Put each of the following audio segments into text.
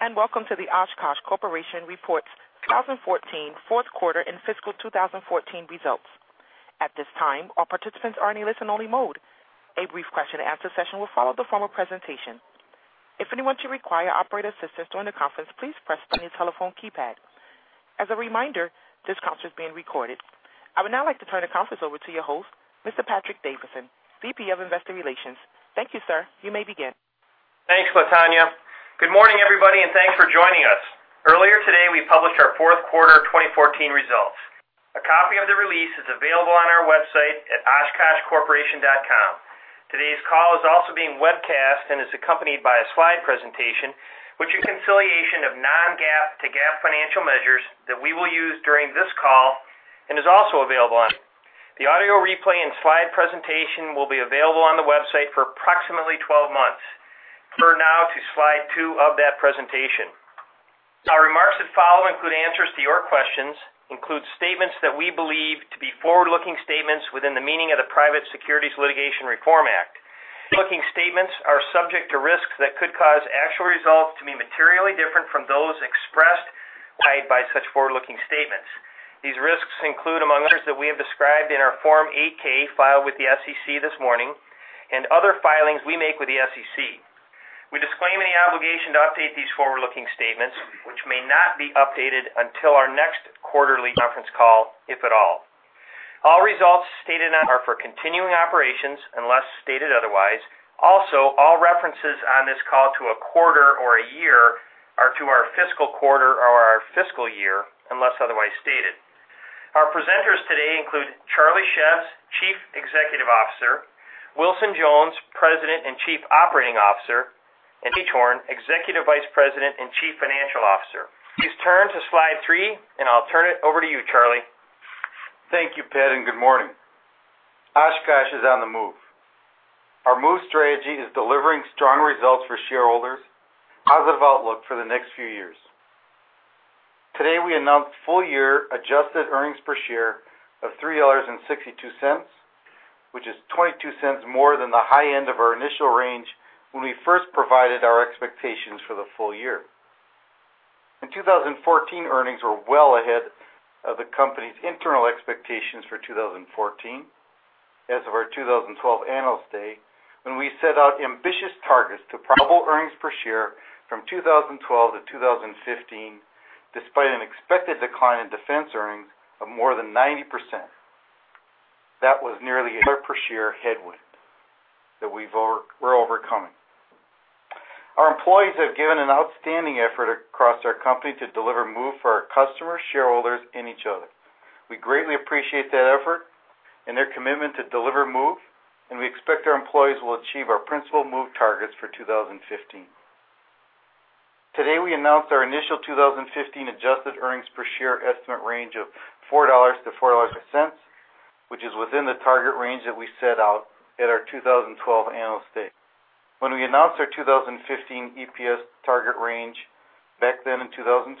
Greetings and welcome to the Oshkosh Corporation Reports 2014 Fourth Quarter and Fiscal 2014 Results. At this time all participants are in a listen-only mode. A brief question-and-answer session will follow the formal presentation. If anyone should require operator assistance during the conference, please press on your telephone keypad. As a reminder, this conference is being recorded. I would now like to turn the conference over to your host, Mr. Patrick Davidson, VP of Investor Relations. Thank you, sir. You may begin. Thanks, Latonya. Good morning, everybody, and thanks for joining us. Earlier today we published our fourth quarter 2014 results. A copy of the release is available on our website at oshkoshcorporation.com. Today's call is also being webcast and is accompanied by a slide presentation which is a reconciliation of non-GAAP to GAAP financial measures that we will use during this call and is also available on the audio replay, and slide presentation will be available on the website for approximately 12 months. Turn now to slide 2 of that presentation. Our remarks that follow include answers to your questions include statements that we believe to be forward-looking statements within the meaning of the Private Securities Litigation Reform Act. Forward-looking statements are subject to risks that could cause actual results to be materially different from those expressed by such forward-looking statements. These risks include, among others that we have described in our Form 8-K filed with the SEC this morning and other filings we make with the SEC. We disclaim any obligation to update these forward-looking statements which may not be updated until our next quarterly conference call, if at all. All results stated today are for continuing operations unless stated otherwise. Also, all references on this call to. A quarter or a year are to. Our fiscal quarter or our fiscal year unless otherwise stated. Our presenters today include Charles Szews, Chief Executive Officer, Wilson Jones, President and Chief Operating Officer, and Sagehorn, Executive Vice President and Chief Financial Officer. Please turn to Slide 3 and I'll. Turn it over to you, Charlie. Thank you, Pat, and good morning. Oshkosh is on the move. Our MOVE strategy is delivering strong results for shareholders. Positive outlook for the next few years. Today we announced full-year adjusted earnings per share of $3.62, which is $0.22 more than the high end of our initial range. When we first provided our expectations for the full year in 2014, earnings were well ahead of the company's internal expectations for 2014. As of our 2012 Analyst Day, when we set out ambitious targets to probable earnings per share from 2012 to 2015 despite an expected decline in defense earnings of more than 90%. That was nearly a per share headwind that we're overcoming. Our employees have given an outstanding effort across our company to deliver MOVE for our customers, shareholders and each other. We greatly appreciate that effort and their commitment to deliver MOVE and we expect our employees will achieve our principal MOVE targets for 2015. Today we announced our initial 2015 adjusted earnings per share estimate range of $4.00-$4.40, which is within the target range that we set out at our 2012 Analyst Day. When we announced our 2015 EPS target range. Back then in 2012,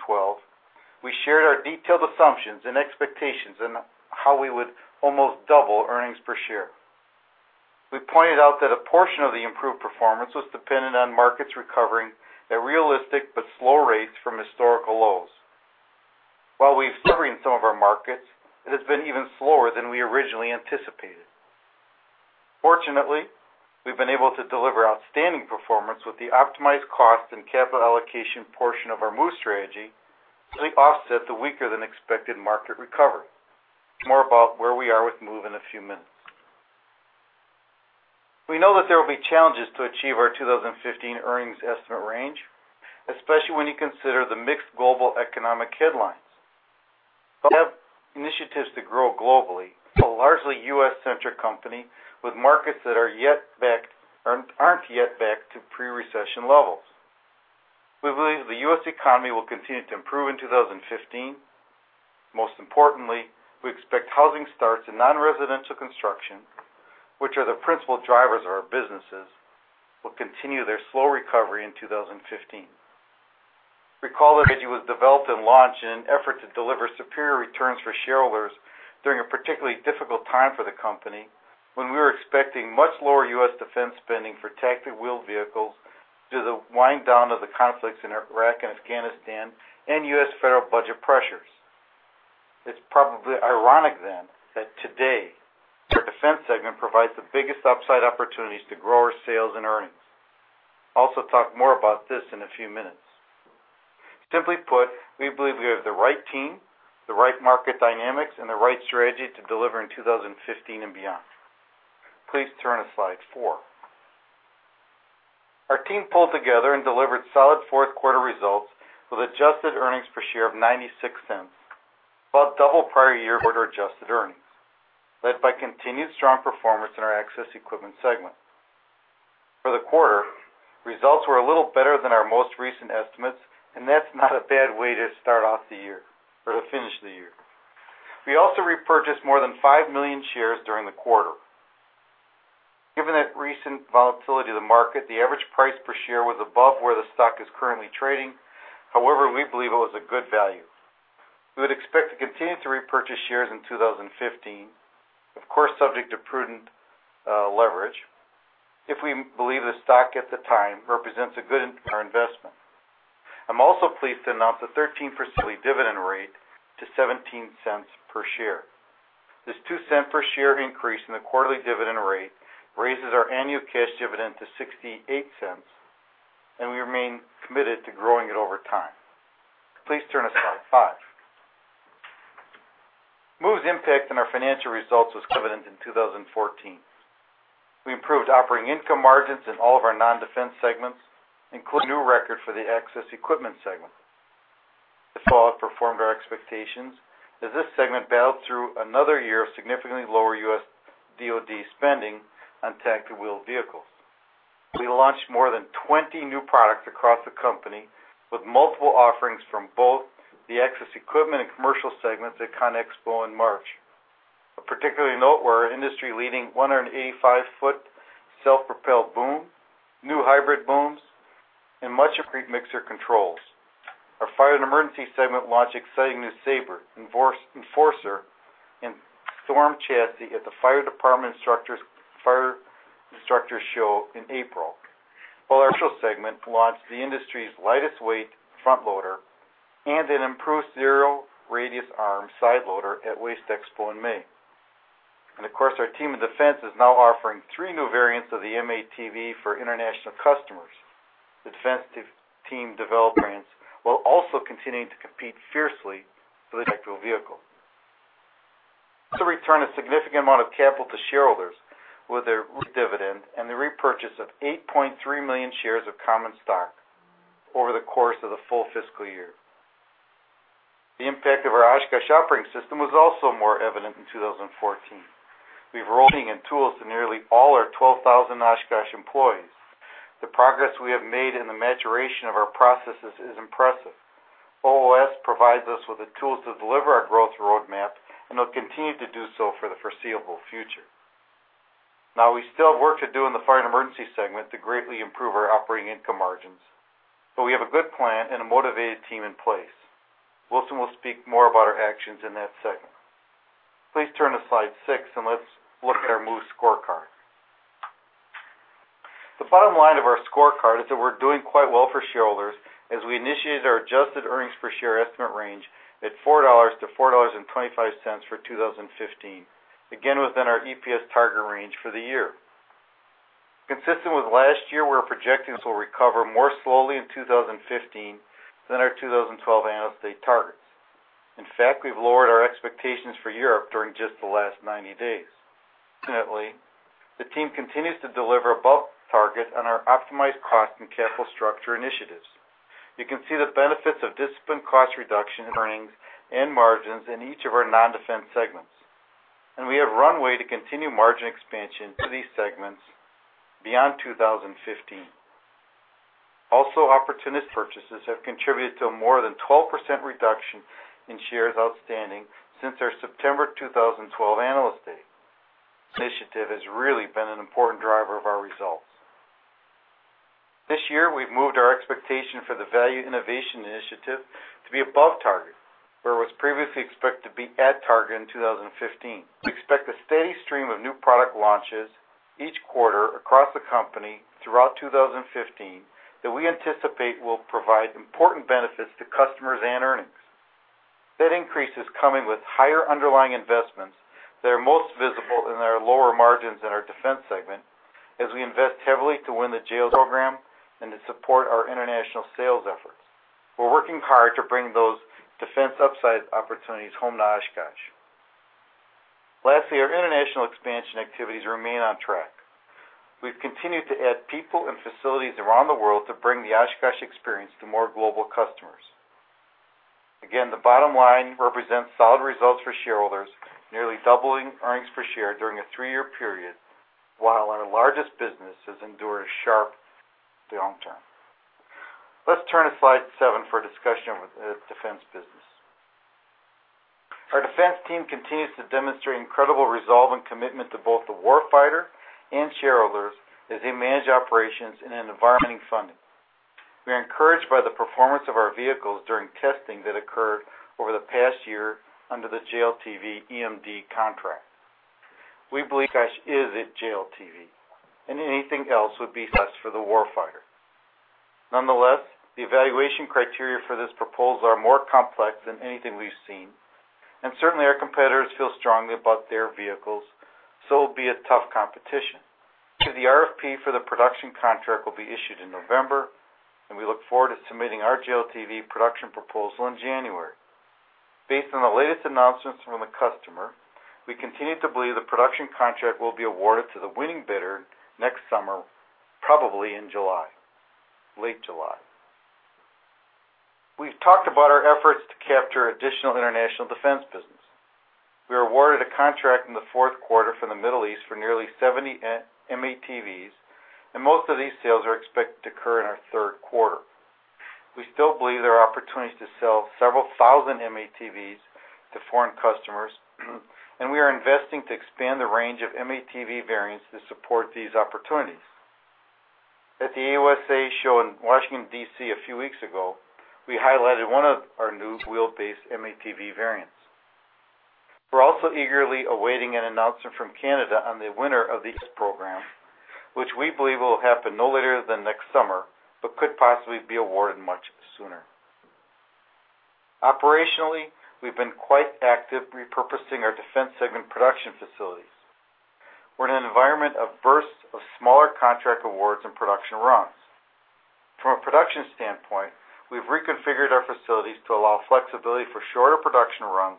we shared our detailed assumptions and expectations on how we would almost double earnings per share. We pointed out that a portion of the improved performance was dependent on markets recovering at realistic but slow rates from historical lows. While we've served some of our markets, it has been even slower than we originally anticipated. Fortunately, we've been able to deliver outstanding performance with the optimized cost and capital allocation portion of our MOVE strategy. Offset the weaker than expected market recovery. More about where we are with MOVE in a few minutes. We know that there will be challenges to achieve our 2015 earnings estimate range, especially when you consider the mixed global economic headlines, but we have initiatives to grow globally. A largely U.S.-centric company with markets that are yet back and aren't yet back to pre-recession levels. We believe the U.S. economy will continue to improve in 2015. Most importantly, we expect housing starts in non-residential construction, which are the principal drivers of our businesses, will continue their slow recovery in 2015. Recall that MOVE was developed and launched in an effort to deliver superior returns for shareholders during a particularly difficult time for the company when we were expecting much lower U.S. Defense spending for tactical wheeled vehicles due to the wind down of the conflicts in Iraq and Afghanistan and U.S. Federal budget pressures. It's probably ironic then that today our Defense segment provides the biggest upside opportunities to grow our sales and earnings also. Talk more about this in a few minutes. Simply put, we believe we have the right team, the right market dynamics and the right strategy to deliver in 2015 and beyond. Please turn to Slide 4. Our team pulled together and delivered solid fourth quarter results with adjusted earnings per share of $0.96 about double prior year order. Adjusted earnings led by continued strong performance in our Access Equipment segment for the quarter. Results were a little better than our most recent estimates and that's not a bad way to start off the year or to finish the year. We also repurchased more than 5 million shares during the quarter. Given that recent volatility of the market, the average price per share was above where the stock is currently trading. However, we believe it was a good value. We would expect to continue to repurchase shares in 2015, of course subject to prudent leverage if we believe the stock at the time represents a good investment. I'm also pleased to announce the 13% increase in the dividend rate to $0.17 per share. This $0.02 per share increase in the quarterly dividend rate raises our annual cash dividend to $0.68 and we remain committed to growing it over time. Please turn to Slide 5. MOVE's impact on our financial results was evident in 2014. We improved operating income margins in all of our non-Defense segments, including a new record for the Access Equipment segment. Fiscal outperformed our expectations as this segment battled through another year of significantly lower U.S. DoD spending on tactical wheeled vehicles. We launched more than 20 new products across the company with multiple offerings from both the Access Equipment and Commercial segments at Conexpo in March. Particularly noteworthy are our industry-leading 185-foot self-propelled boom, new hybrid booms, and McNeilus concrete mixer controls. Our Fire and Emergency segment launched exciting new Saber, Enforcer and Storm chassis at the Fire Department Instructors show in April, while our Commercial segment launched the industry's lightest weight front loader and an improved Zero Radius arm side loader at Waste Expo in May. Of course our team in Defense is now offering three new variants of the M-ATV for international customers. The Defense team develop variants while also continuing to compete fiercely for the electric vehicle, so return a significant amount of capital to shareholders with a dividend and the repurchase of 8.3 million shares of common stock over the course of the full fiscal year. The impact of our Oshkosh Operating System was also more evident in 2014. We've rolled in tools to nearly all our 12,000 Oshkosh employees. The progress we have made in the maturation of our processes is impressive. OOS provides us with the tools to deliver our growth roadmap and will continue to do so for the foreseeable future. Now we still have work to do in the Fire and Emergency segment to greatly improve our operating income margins, but we have a good plan and a motivated team in place. Wilson will speak more about our actions in that segment. Please turn to slide 6 and let's look at our MOVE scorecard. The bottom line of our scorecard is that we're doing quite well for shareholders as we initiated our adjusted earnings per share estimate range at $4.00-$4.25 for 2015. Again, within our EPS target range for the year consistent with last year, we are projecting this will recover more slowly in 2015 than our 2012 Analyst Day targets. In fact, we've lowered our expectations for Europe during just the last 90 days. The team continues to deliver above target on our optimized cost and capital structure initiatives. You can see the benefits of disciplined cost reduction, earnings, and margins in each of our non-Defense segments and we have runway to continue margin expansion to these segments beyond 2015. Also, opportunistic purchases have contributed to a more than 12% reduction in shares outstanding since our September 2012 Analyst Day. This initiative has really been an important driver of our results. This year. We've moved our expectation for the Value Innovation Initiative to be above target where it was previously expected to be at target in 2015. We expect a steady stream of new product launches each quarter across the company throughout 2015 that we anticipate will provide important benefits to customers and earnings. That increase is coming with higher underlying investments that are most visible in our lower margins in our Defense segment. As we invest heavily to win the JLTV program and to support our international sales efforts, we're working hard to bring those defense upside opportunities home to Oshkosh. Lastly, our international expansion activities remain on track. We've continued to add people and facilities around the world to bring the Oshkosh experience to more global customers. Again, the bottom line represents solid results for shareholders, nearly doubling earnings per share during a three-year period while our largest business has endured a sharp long term. Let's turn to Slide 7 for a discussion of the defense business. Our defense team continues to demonstrate incredible resolve and commitment to both the warfighter and shareholders as they manage operations in a funding environment. We are encouraged by the performance of our vehicles during testing that occurred over the past year under the JLTV EMD contract. We believe Oshkosh is the JLTV and anything else would be less for the warfighter. Nonetheless, the evaluation criteria for this proposal are more complex than anything we've seen and certainly our competitors feel strongly about their vehicles. So be it. Tough competition, the RFP for the production contract will be issued in November, and we look forward to submitting our JLTV production proposal in January. Based on the latest announcements from the customer, we continue to believe the production contract will be awarded to the winning bidder next summer, probably in July, late July. We've talked about our efforts to capture additional international defense business. We were awarded a contract in the fourth quarter from the Middle East for nearly 70 M-ATVs, and most of these sales are expected to occur in our third quarter. We still believe there are opportunities to sell several thousand M-ATVs to foreign customers, and we are investing to expand the range of M-ATV variants to support these opportunities. At the AUSA show in Washington, D.C., a few weeks ago, we highlighted one of our new wheel-based M-ATV variants. We're also eagerly awaiting an announcement from Canada on the winner of the program, which we believe will happen no later than next summer, but could possibly be awarded much sooner. Operationally, we've been quite active repurposing our Defense segment production facilities. We're in an environment of bursts of smaller contract awards and production runs. From a production standpoint, we've reconfigured our facilities to allow flexibility for shorter production runs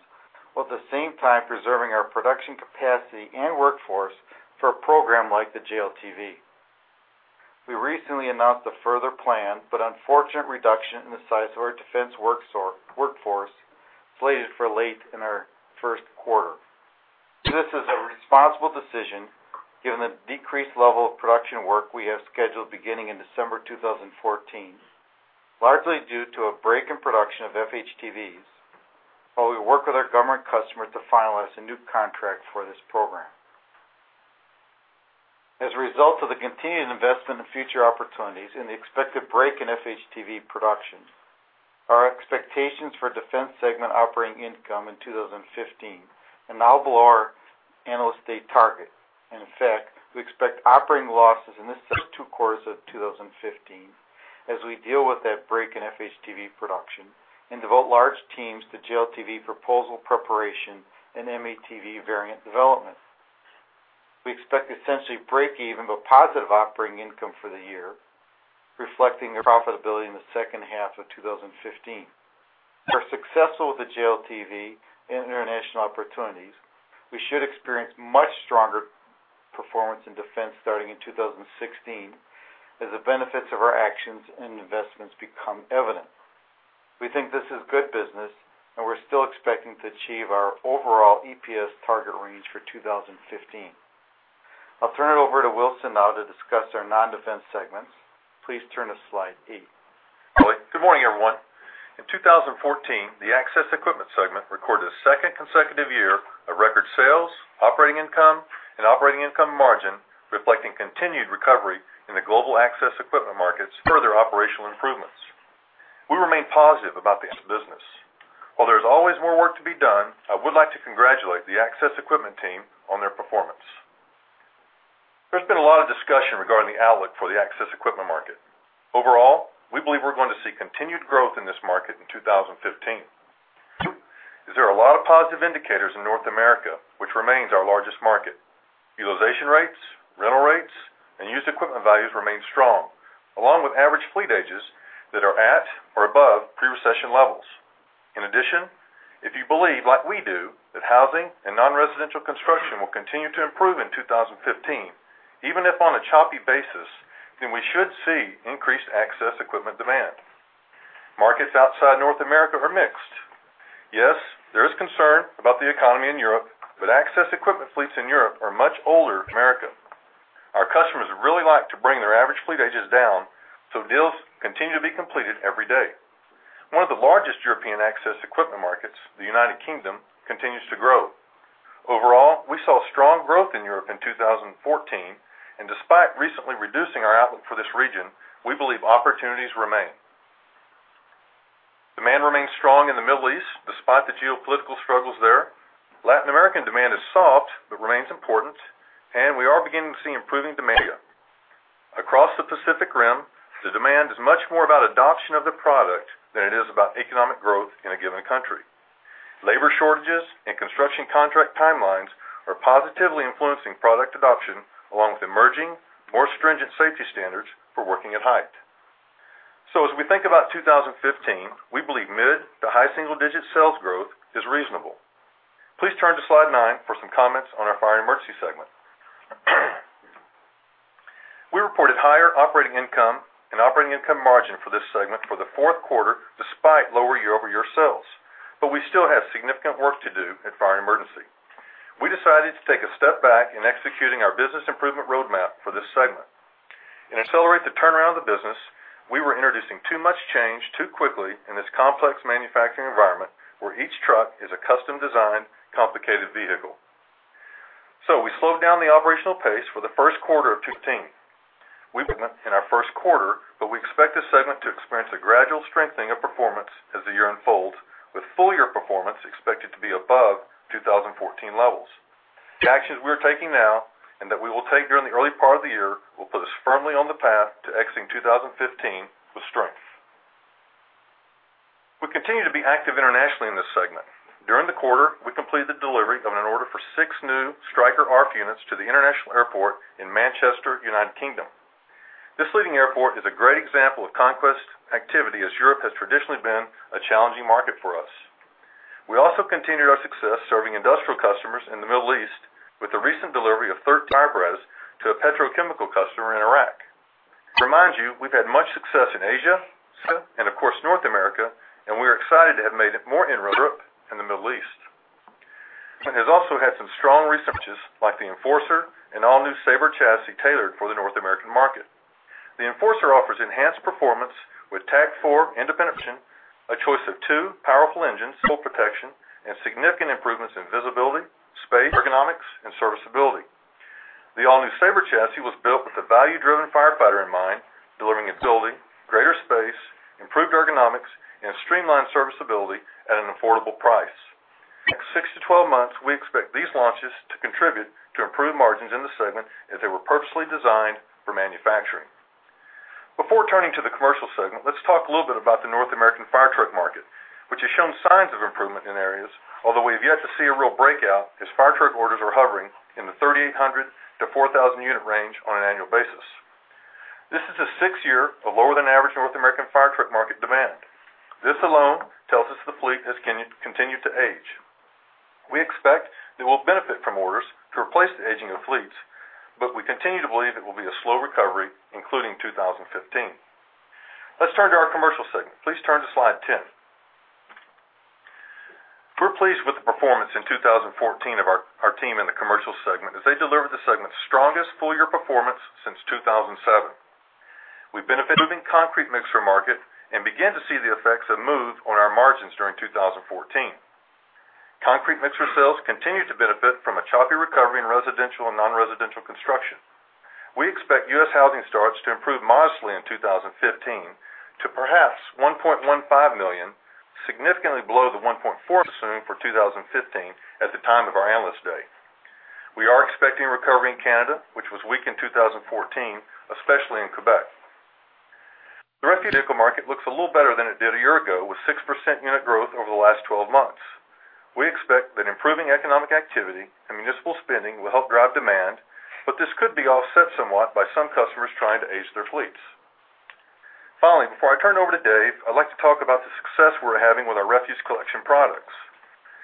while at the same time preserving our production capacity and workforce for a program like the JLTV. We recently announced a further planned but unfortunate reduction in the size of our defense workforce slated for late in our first quarter. This is a responsible decision given the decreased level of production work we have scheduled beginning in December 2014, largely due to a break in production of FHTVs while we work with our government customers to finalize a new contract for this program. As a result of the continued investment in future opportunities and the expected break in FHTV production, our expectations for Defense Segment operating income in 2015 are now below our analyst day target. In fact, we expect operating losses in the first half of 2015 as we deal with that break in FHTV production and devote large teams to JLTV proposal preparation and M-ATV variant development. We expect essentially breakeven but positive operating income for the year, reflecting profitability in the second half of 2015. We're successful with the JLTV and international opportunities. We should experience much stronger performance in defense starting in 2016 as the benefits of our actions and investments become evident. We think this is good business and we're still expecting to achieve our overall EPS target range for 2015. I'll turn it over to Wilson now to discuss our non-Defense segments. Please turn to Slide 8. Good morning everyone. In 2014, the Access Equipment segment recorded a second consecutive year of record sales, operating income and operating income margin, reflecting continued recovery in the global Access Equipment markets, further operational improvements. We remain positive about the business. While there is always more work to be done, I would like to congratulate the Access Equipment team on their performance. There's been a lot of discussion regarding the outlook for the Access Equipment market. Overall, we believe we're going to see continued growth in this market in 2015 as there are a lot of positive indicators in North America, which remains our largest market: utilization rates, rental rates and used equipment values remain strong along with average fleet ages that are at or above pre-recession levels. In addition, if you believe like we do that housing and non-residential construction will continue to improve in 2015, even if on a choppy basis, then we should see increased access equipment demand. Markets outside North America are mixed. Yes, there is concern about the economy in Europe, but access equipment fleets in Europe are much older than America. Our customers really like to bring their average fleet ages down, so deals continue to be completed every day. One of the largest European access equipment markets, the United Kingdom, continues to grow. Overall, we saw strong growth in Europe in 2014 and despite recently reducing our outlook for this region, we believe opportunities remain. Demand remains strong in the Middle East despite the geopolitical struggles there. Latin American demand is soft but remains important and we are beginning to see improving demand across the Pacific Rim. The demand is much more about adoption of the product than it is about economic growth in a given country. Labor shortages and construction contract timelines are positively influencing product adoption along with emerging more stringent safety standards for working at height. As we think about 2015, we believe mid to high-single-digit sales growth is reasonable. Please turn to Slide 9 for some comments on our Fire and Emergency segment. We reported higher operating income and operating income margin for this segment for the fourth quarter despite lower year-over-year sales. We still have significant work to do in fire and emergency. We decided to take a step back in executing our business improvement road map for this segment to accelerate the turnaround of the business. We were introducing too much change too quickly in this complex manufacturing environment where each truck is a custom designed complicated vehicle. So we slowed down the operational pace for the first quarter of 2015. We went in our first quarter, but we expect this segment to experience a gradual strengthening of performance as the year unfolds, with full year performance expected to be above 2014 levels. The actions we are taking now and that we will take during the early part of the year will put us firmly on the path to exiting 2015 with strength. We continue to be active internationally in this segment. During the quarter we completed the delivery of an order for 6 new Striker ARFF units to the Manchester International Airport, United Kingdom. This leading airport is a great example of conquest activity as Europe has traditionally been a challenging market for us. We also continued our success serving industrial customers in the Middle East with the recent delivery of three tire presses to a petrochemical customer in Iraq. To remind you, we've had much success in Asia and, of course, North America, and we are excited to have made more in Europe and the Middle East. And has also had some strong releases like the Enforcer and all-new Saber chassis tailored for the North American market. The Enforcer offers enhanced performance with TAK-4 independent, a choice of two powerful engines, full protection, and significant improvements in visibility, space, ergonomics, and serviceability. The all-new Saber chassis was built with a value-driven firefighter in mind, delivering durability, greater space, improved ergonomics, and streamlined serviceability at an affordable price. In six to 12 months, we expect these launches to contribute to improved margins in the segment as they were purposely designed for manufacturing. Before turning to the commercial segment, let's talk a little bit about the North American fire truck market which has shown signs of improvement in areas although we have yet to see a real breakout as fire truck orders are hovering in the 3,800–4,000 unit range on an annual basis. This is the sixth year of lower than average North American fire truck market demand. This alone tells us the fleet has continued to age. We expect that we'll benefit from orders to replace the aging of fleets, but we continue to believe it will be a slow recovery including 2015. Let's turn to our commercial segment. Please turn to Slide 10. We're pleased with the performance in 2014 of our team in the commercial segment as they delivered the segment's strongest full year performance since 2007. We benefited from the moving concrete mixer market and began to see the effects of MOVE on our margins during 2014. Concrete mixer sales continued to benefit from a choppy recovery in residential and non-residential construction. We expect U.S. housing starts to improve modestly in 2015 to perhaps 1.15 million, significantly below the 1.4 assumed for 2015 at the time of our analyst day. We are expecting recovery in Canada which was weak in 2014, especially in Quebec. The refuse vehicle market looks a little better than it did a year ago with 6% unit growth over the last 12 months. We expect that improving economic activity and municipal spending will help drive demand, but this could be offset somewhat by some customers trying to age their fleets. Finally, before I turn it over to Dave, I'd like to talk about the success we're having with our refuse collection products.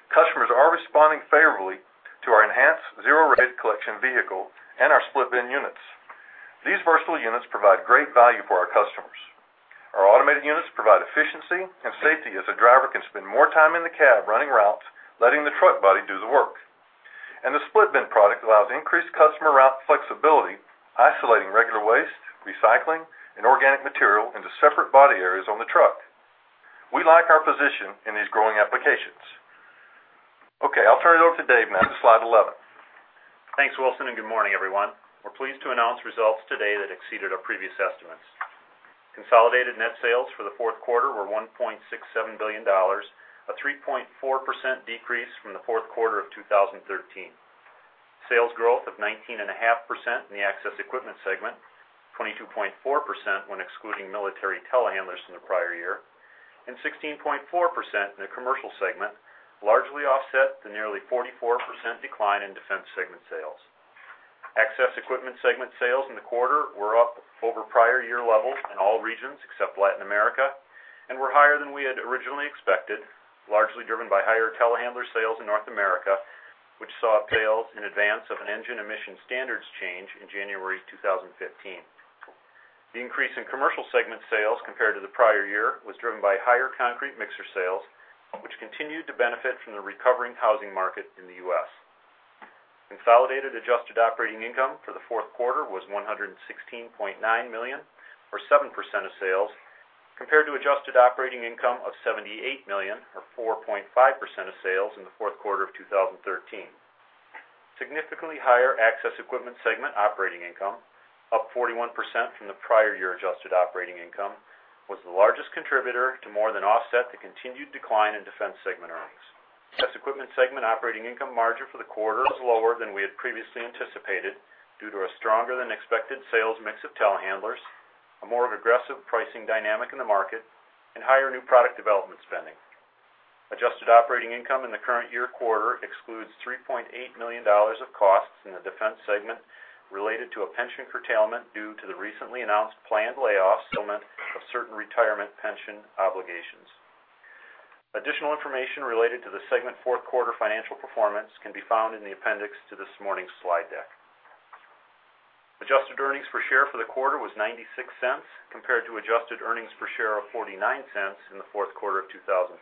Customers are responding favorably to our enhanced Zero Radius collection vehicle and our split-bin units. These versatile units provide great value for our customers. Our automated units provide efficiency and safety as the driver can spend more time in the cab running routes letting the truck body do the work and the split-bin product allows increased customer route flexibility, isolating regular waste, recycling and organic material into separate body areas on the truck. We like our position in these growing applications. Okay, I'll turn it over to Dave. Now to slide 11. Thanks Wilson and good morning everyone. We're pleased to announce results today that exceeded our previous estimates. Consolidated net sales for the fourth quarter were $1.67 billion, a 3.4% decrease from the fourth quarter of 2013. Sales growth of 19.5% in the Access Equipment segment, 22.4% when excluding military telehandlers in the prior year, and 16.4% in the Commercial segment largely offset the nearly 44% decline in Defense segment sales. Access equipment segment sales in the quarter were up over prior year levels in all regions except Latin America and were higher than we had originally expected, largely driven by higher telehandler sales in North America, which saw sales in advance of an engine emission standards change in January 2015. The increase in commercial segment sales compared. To the prior year was driven by. Higher concrete mixer sales which continued to benefit from the recovering housing market in the U.S. consolidated adjusted operating income for the fourth quarter was $116.9 million, or 7% of sales compared to adjusted operating income of $78 million, or 4.5% of sales in the fourth quarter of 2013. Significantly higher access equipment segment operating income, up 41% from the prior year. Adjusted operating income was the largest contributor to more than offset the continued decline in Defense segment earnings. Access Equipment segment operating income margin for the quarter is lower than we had previously anticipated due to a stronger than expected sales mix of telehandlers, a more aggressive pricing dynamic in the market, and higher new product development spending. Adjusted operating income in the current year quarter excludes $3.8 million of costs in the Defense segment related to a pension curtailment due to the recently announced planned layoffs of certain retirement pension obligations. Additional information related to the segment fourth quarter financial performance can be found in the appendix to this morning's slide deck. Adjusted earnings per share for the quarter was $0.96 compared to adjusted earnings per share of $0.49 in the fourth quarter of 2013.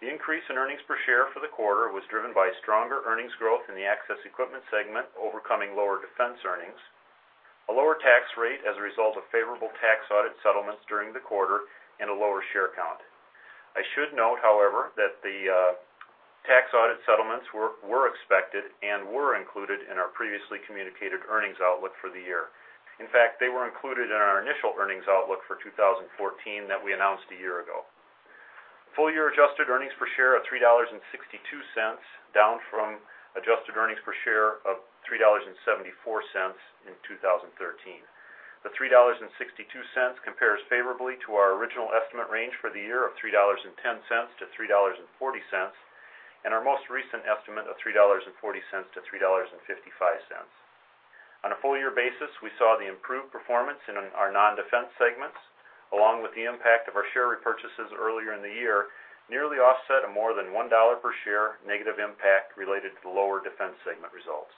The increase in earnings per share for the quarter was driven by stronger earnings growth in the Access Equipment segment, overcoming lower defense earnings, a lower tax rate as a result of favorable tax audit settlements during the quarter, and a lower share count. I should note, however, that the tax audit settlements were expected and were included in our previously communicated earnings outlook for the year. In fact, they were included in our initial earnings outlook for 2014 that we announced a year ago, full year adjusted earnings per share of $3.62 down from adjusted earnings per share of $3.74 in 2013. The $3.62 compares favorably to our original estimate range for the year of $3.10–$3.40 and our most recent estimate of $3.40–$3.55 on a full-year basis. We saw the improved performance in our non-Defense segments along with the impact of our share repurchases earlier in the year nearly offset a more than $1 per share negative impact related to the lower Defense segment results.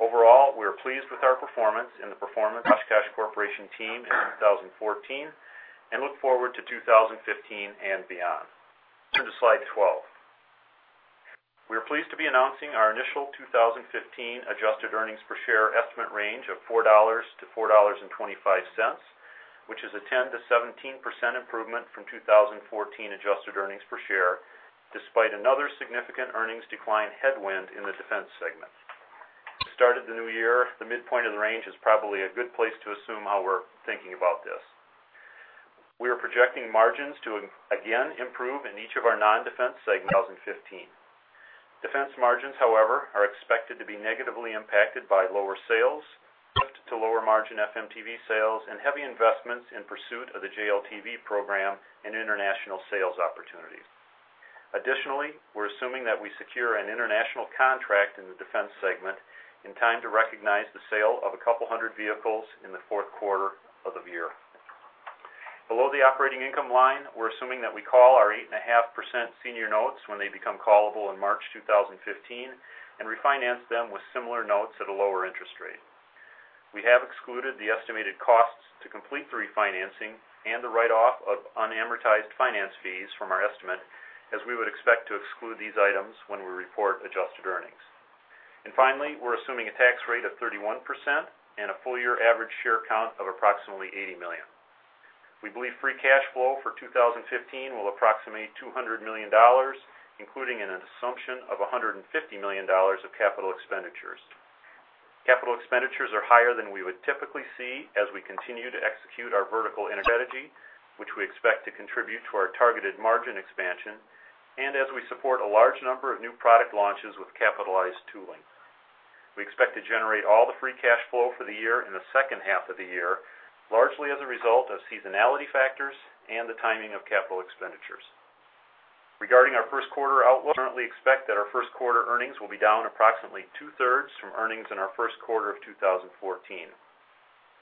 Overall, we are pleased with our performance in the performance of Oshkosh Corporation team in 2014 and look forward to 2015 and beyond. Turn to Slide 12. We are pleased to be announcing our initial 2015 adjusted earnings per share estimate range of $4.00–$4.25, which is a 10%–17% improvement from 2014 adjusted earnings per share despite another significant earnings decline headwind in the Defense segment. We started the new year. The midpoint of the range is probably a good place to assume how we're thinking about this. We are projecting margins to again improve in each of our non-Defense segments in 2015. Defense margins, however, are expected to be negatively impacted by lower sales, lift to lower margin FMTV sales and heavy investments in pursuit of the JLTV program and international sales opportunities. Additionally, we're assuming that we secure an international contract in the Defense segment in time to recognize the sale of a couple hundred vehicles in the fourth quarter of the year below the operating income line. We're assuming that we call our 8.5% senior notes when they become callable in March 2015 and refinance them with similar notes at a lower interest rate. We have excluded the estimated costs to complete the refinancing and the write off of unamortized finance fees from our estimate, as we would expect to exclude these items when we report adjusted earned earnings. And finally, we're assuming a tax rate of 31% and a full year average share count of approximately 80 million. We believe free cash flow for 2015 will approximate $200 million, including an assumption of $150 million of capital expenditures. Capital expenditures are higher than we would typically see as we continue to execute our vertical strategy, which we expect to contribute to our targeted margin expansion and as we support a large number of new product launches with capitalized tooling, we expect to generate all the free cash flow for the year in the second half of the year, largely as a result of seasonality factors and the timing of capital expenditures. Regarding our first quarter outlook, we currently expect that our first quarter earnings will be down approximately 2/3 from earnings in our first quarter of 2014.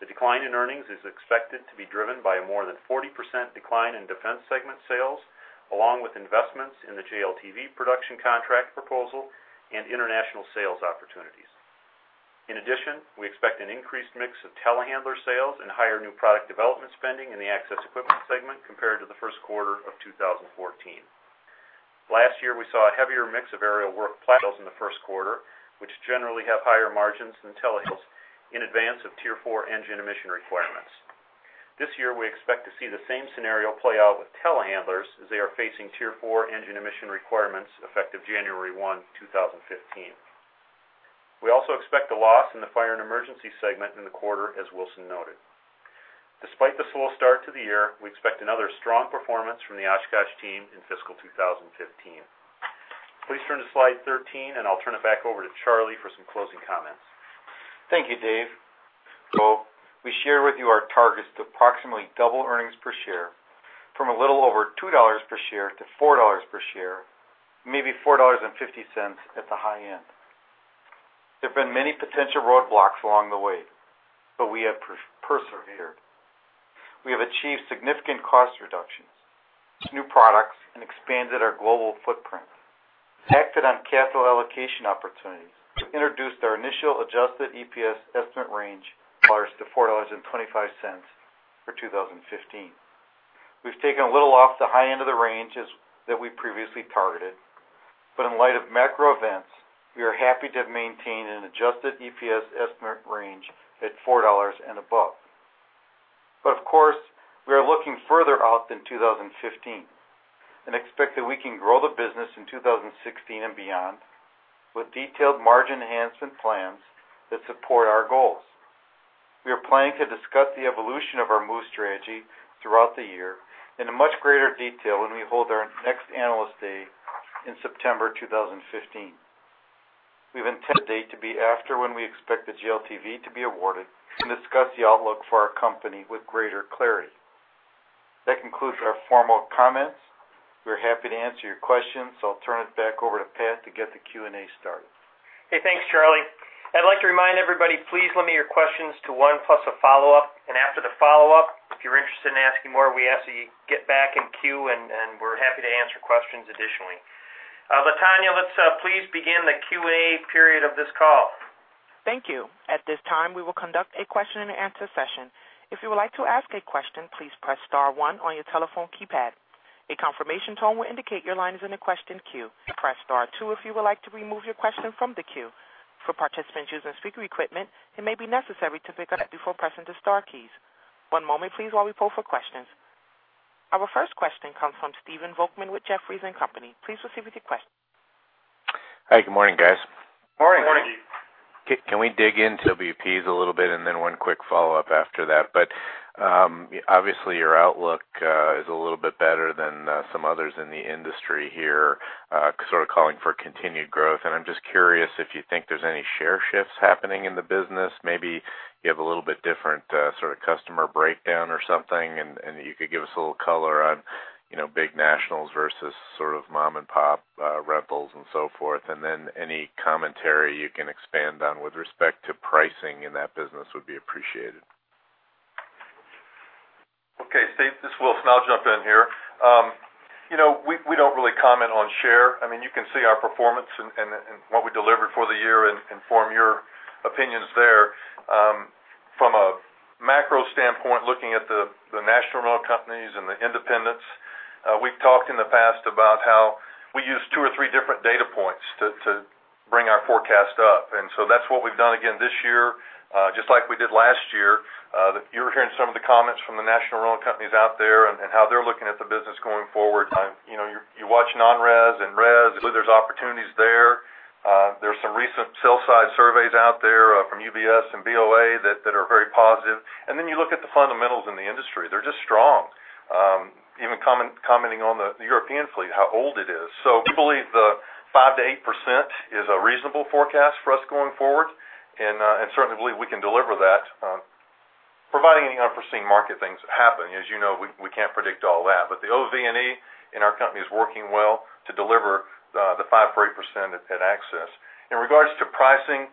The decline in earnings is expected to be driven by a more than 40% decline in Defense segment sales along with investments in the JLTV production contract proposal and international sales opportunities. In addition, we expect an increased mix of Telehandler sales and higher new product development spending in the Access Equipment segment compared to the first quarter of 2014. Last year we saw a heavier mix of aerial work platforms in the first quarter, which generally have higher margins than Telehandlers in advance of Tier 4 engine emission requirements. This year, we expect to see the same scenario play out with Telehandlers as they are facing Tier 4 engine emission requirements effective January 1, 2015. We also expect a loss in the Fire and Emergency segment in the quarter. As Wilson noted, despite the slow start to the year, we expect another strong performance from the Oshkosh team in fiscal 2015. Please turn to slide 13 and I'll turn it back over to Charlie for some closing comments. Thank you Dave. We shared with you our targets to approximately double earnings per share from a little over $2 per share to $4 per share, maybe $4.50 at the high end. There have been many potential roadblocks along the way, but we have persevered. We have achieved significant cost reductions, new products and expanded our global footprint, acted on capital allocation opportunities, introduced our initial adjusted EPS estimate range bars to $4.25 for 2015. We've taken a little off the high end of the range that we previously targeted, but in light of macro events we are happy to have maintained an adjusted EPS estimate range at $4 and above. Of course we are looking further out than 2015 and expect that we can grow the business in 2016 and beyond with detailed margin enhancement plans that support our goals. We are planning to discuss the evolution of our move strategy throughout the year in much greater detail when we hold our next Analyst Day in September 2015. We have intended date to be after when we expect the JLTV to be awarded and discuss the outlook for our company with greater clarity. That concludes our formal comments. We're happy to answer your questions, so I'll turn it back over to Pat to get the Q and A started. Thanks Charlie. I'd like to remind everybody, please limit your questions to one plus a follow-up and after the follow-up. If you're interested in asking more, we ask that you get back in queue and we're happy to answer questions additionally. Latonya, let's please begin the Q&A period of this call. Thank you. At this time we will conduct a question and answer session. If you would like to ask a question, please press star one on your telephone keypad. A confirmation tone will indicate your line is in the question queue. Press star two if you would like to remove your question from the queue. For participants using speaker equipment, it may be necessary to pick up before pressing the star keys. One moment, please. While we poll for questions, our first question comes from Stephen Volkmann with Jefferies. Please proceed with your question. Hi, good morning guys. Morning. Can we dig into BPS a little bit and then one quick follow-up after that? But obviously your outlook is a little bit better than some others in the industry here. Sort of calling for continued growth. And I'm just curious if you think there's any share shifts happening in the business. Maybe you have a little bit different sort of customer breakdown or something and you could give us a little color on big nationals versus sort of mom and pop rentals and so forth and then any commentary you can expand on with respect to pricing in that business would be appreciated. Okay, Steve, this is Wilson. I'll jump in here. You know, we don't really comment on share. I mean, you can see our performance and what we delivered for the year and form your opinions there. From a macro standpoint, looking at the national rental companies and the independents, we've talked in the past about how we use two or three different data points to bring our forecast up. So that's what we've done again this year just like we did last year. You're hearing some of the comments from the national rental companies out there and how they're looking at the business going forward. You watch non-res and res, there's opportunities there. There's some recent sell-side surveys out there from UBS and BoA that are very positive. Then you look at the fundamentals in the industry. They're just strong. Even commenting on the European fleet, how old it is. So we believe the 5-8% is a reasonable forecast for us going forward and certainly believe we can deliver that providing any unforeseen market things happen. As you know, we can't predict all that, but the OV and E in our company is working well to deliver the 5-8% at Access. In regards to pricing,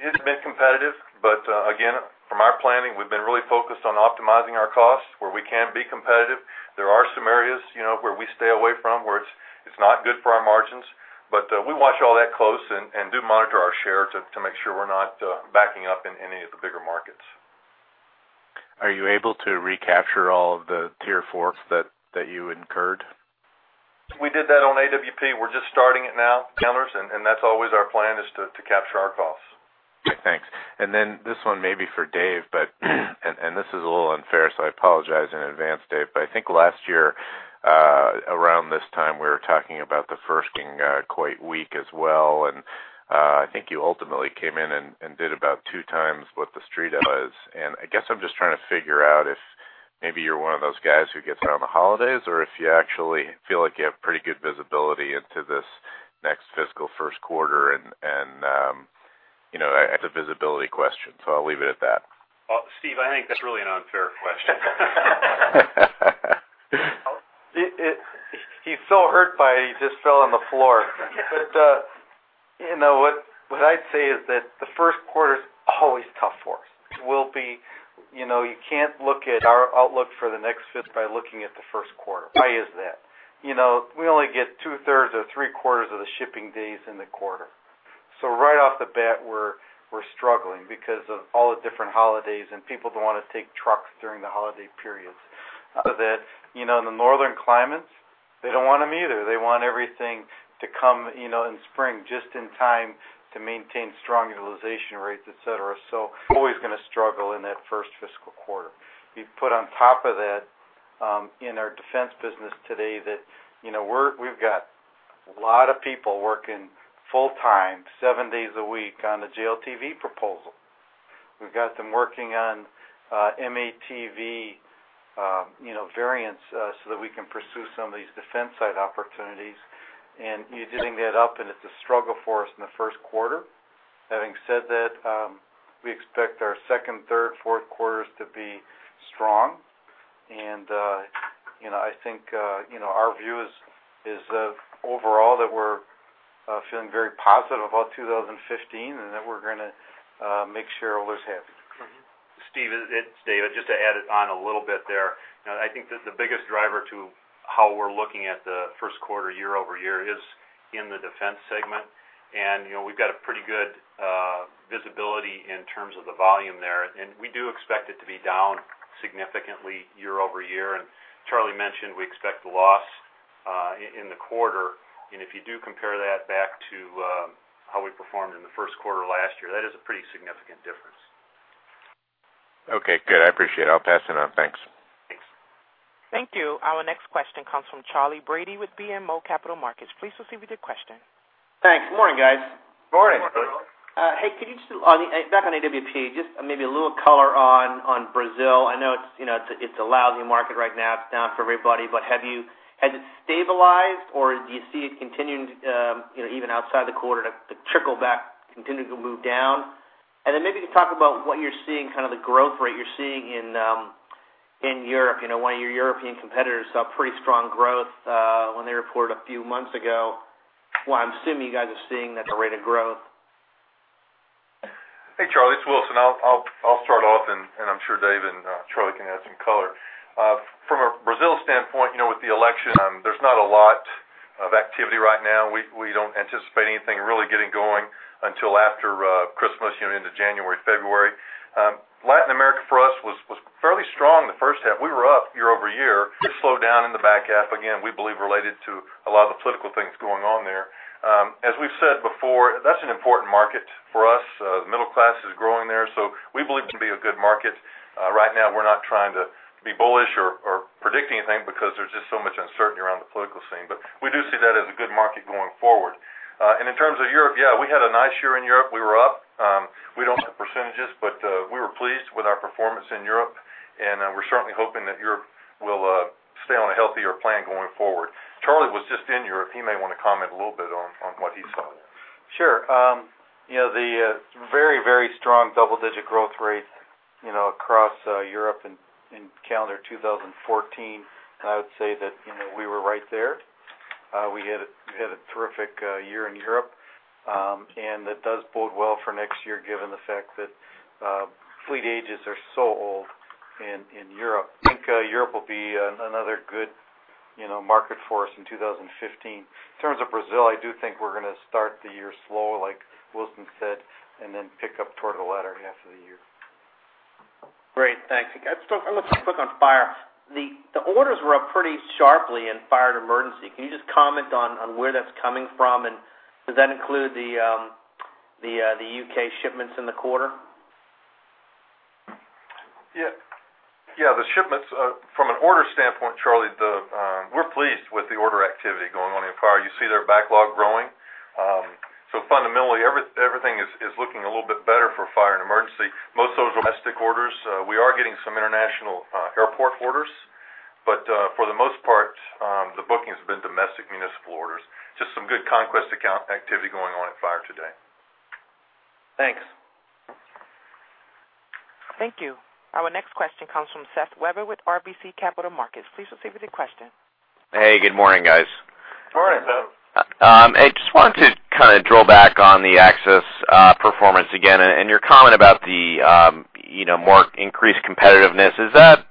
it's been competitive but again from our planning, we've been really focused on optimizing our costs where we can be competitive. There are some areas where we stay away from where it's not good for our margins, but we watch all that close and do monitor our share to make sure we're not backing up in any of the bigger markets. Are you able to recapture all of the Tier 4 that you incurred? We did that on AWP. We're just starting it now. Handlers, and that's always our plan is to capture our costs. Thanks. Then this one may be for Dave, and this is a little unfair, so I apologize in advance, Dave, but I think last year around this time we were talking about the fiscal first quarter quite weak as well. And I think you ultimately came in and did about two times what the Street was. And I guess I'm just trying to figure out if maybe you're one of those guys who gets out on the holidays or if you actually feel like you have pretty good visibility into this next fiscal first quarter and you know, the visibility question. So I'll leave it at that. Steve, I think that's really an unfair question. He's so hurt by it, he just fell on the floor. But you know, what I'd say is that the first quarter is always tough for us. You can't look at our outlook for the next fifth by looking at the first. Why is that? You know, we only get 2/3 or 3/4 of the shipping days in the quarter. So right off the bat we're struggling because of all the different holidays and people don't want to take trucks during the holiday periods that, you know, in the northern climates they don't want them either. They want everything to come, you know, in spring just in time to maintain strong utilization rates, et cetera. So always going to struggle in that first fiscal quarter quarter. We put on top of that in our defense business today that, you know, we've got a lot of people working full time seven days a week on the JLTV proposal. We've got them working on M-ATV variants so that we can pursue some of these defense site opportunities. And you bring that up and it's a struggle for us in the first quarter. Having said that, we expect our second, third, fourth quarters to be strong. And I think our view is overall that we're feeling very positive about 2015 and that we're going to make shareholders happy. Steve, it's David, just to add on a little bit there. I think the biggest driver to how we're looking at the first quarter year-over-year is in the Defense segment, and we've got a pretty good visibility in terms of the volume there. We do expect it to be down significantly year-over-year. Charlie mentioned we expect loss in the quarter. If you do compare that back to how we performed in the first quarter last year, that is a pretty significant difference. Okay, good. I appreciate it. I'll pass it on. Thanks. Thanks. Thank you. Our next question comes from Charley Brady with BMO Capital Markets. Please proceed with your question. Thanks. Good morning, guys. Good morning. Hey, could you just back on AWP, just maybe a little color on Brazil? I know it's a lousy market right now. It's down for everybody. But has it stabilized or do you see it continuing even outside the quarter to trickle back, continue to move down? And then maybe you could talk about what you're seeing, kind of the growth rate you're seeing in. You know, one of your European competitors saw pretty strong growth when they reported. A few months ago. Well, I'm assuming you guys are seeing. That, the rate of growth. Hey, Charley, it's Wilson. I'll start off and I'm sure Dave and Charlie can add some color from a Brazil standpoint. You know, with the election, there's not a lot of activity right now. We don't anticipate anything really getting going until after Christmas into January, February. Latin America for us was fairly strong the first half. We were up year-over-year, slowed down in the back half again. We believe related to a lot of the political things going on there. As we've said before, that's an important market for us. The middle class is growing there. So we believe it can be a good market. Right now we're not trying to be bullish or predict anything because there's just so much uncertainty around the political scene. But we do see that as a good market going forward. In terms of Europe, yeah, we had a nice year in Europe. We were up. We don't have percentages, but we were pleased with our performance in Europe and we're certainly hoping that Europe will stay on a healthier plan going forward. Charlie was just in Europe. He may want to comment a little bit on what he saw. Sure. The very, very strong double-digit growth rate across Europe in calendar 2014. I would say that we were right there. We had had a terrific year in Europe and that does bode well for next year given the fact that fleet ages are so old in Europe. I think Europe will be another good market for us in 2015. In terms of Brazil, I do think we're going to start the year slow like Wilson said, and then pick up toward the latter half of the year. Great, thanks. I'm going to quick on fire. The orders were up pretty sharply in Fire to Emergency. Can you just comment on where that's coming from and does that include the U.K. shipments in the quarter? Yeah, the shipments from an order standpoint, Charlie, we're pleased with the order activity going on in Fire. You see their backlog growing. So fundamentally everything is looking a little bit better for Fire and Emergency. Most of those are domestic orders. We are getting some international airport orders, but for the most part the bookings have been domestic municipal orders. Just some good conquest account activity going on at fire today. Thanks. Thank you. Our next question comes from Seth Weber with RBC Capital Markets. Please go ahead with your question. Hey, good morning, guys. Good morning, Seth. I just wanted to kind of draw back on the access performance again and your comment about the more increased competitiveness.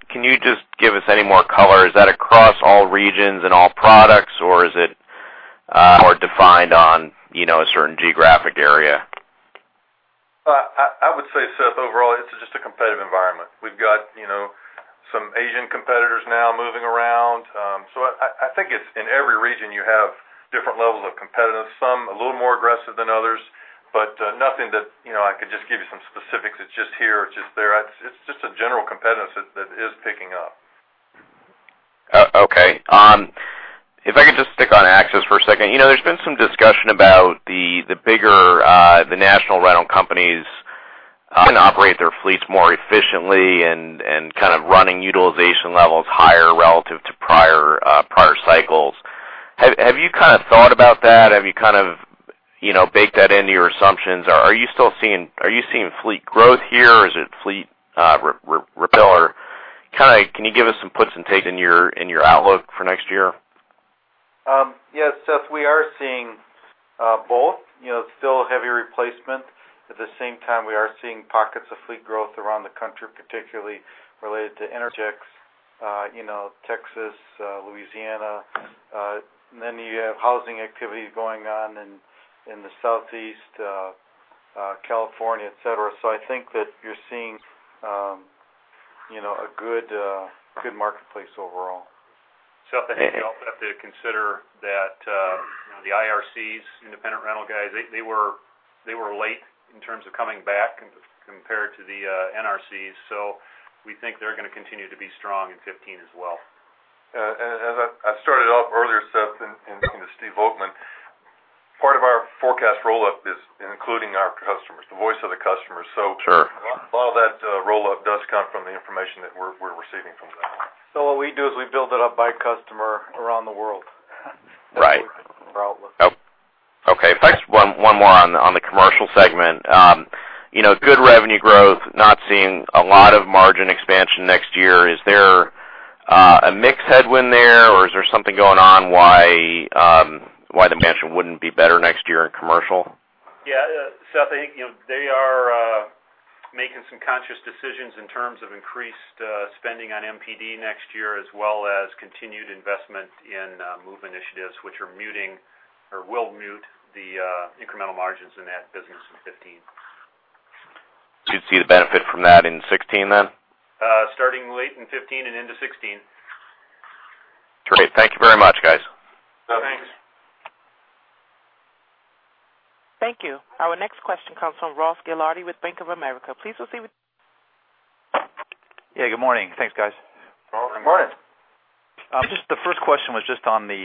Can you just give us any more color? Is that across all regions and all products or is it or defined on a certain geographic area? I would say, Seth, overall it's just a competitive environment. We've got some Asian competitors now moving around. So I think it's in every region you have different levels of competitiveness, some a little more aggressive than others, but nothing that I could just give you some specifics. It's just here, just there. It's just a general competitiveness that is picking up. Okay, if I could just stick on Access for a second. You know, there's been some discussion about the bigger the national rental companies operate their fleets more efficiently and kind of running utilization levels higher relative to prior cycles. Have you kind of thought about that? Have you kind of, you know, baked that into your assumptions or are you. Still seeing? Are you seeing fleet growth? Here or is it fleet repeller? Can you give us some puts and takes in your outlook for next year? Yes, Seth, we are seeing both still heavy replacement at the same time. We are seeing pockets of fleet growth around the country, particularly in Texas, Louisiana, then you have housing activity going on in the Southeast and California, et cetera. So I think that you're seeing a good marketplace overall. You also have to consider that the IRCs independent rental guys, they were late in terms of coming back compared to the NRCs. So we think they're going to continue to be strong in 2015 as well. I started off earlier, Seth and Steve Volkmann. Part of our forecast roll up is including our customers, the voice of the customer. So a lot of that roll up does come from the information that we're receiving from them. What we do is we build it up by customer around the world. Right. Okay, thanks. One more on the commercial segment. Good revenue growth, not seeing a lot of margin expansion next year. Is there a mix headwind there or is there something going on? Why, why the margin wouldn't be better next year in commercial? Yeah, Seth, I think they are making some conscious decisions in terms of increased spending on MPD next year as well as continued investment in MOVE initiatives which are muting or will mute the incremental margins in that business. In 2015 should see the benefit from that in 2016, then starting late in 2015 and into 2016. Great. Thank you very much, guys. Thanks. Thank you. Our next question comes from Ross Gilardi with Bank of America. Please proceed with. Yeah, good morning. Thanks, guys. Morning. The first question was just on the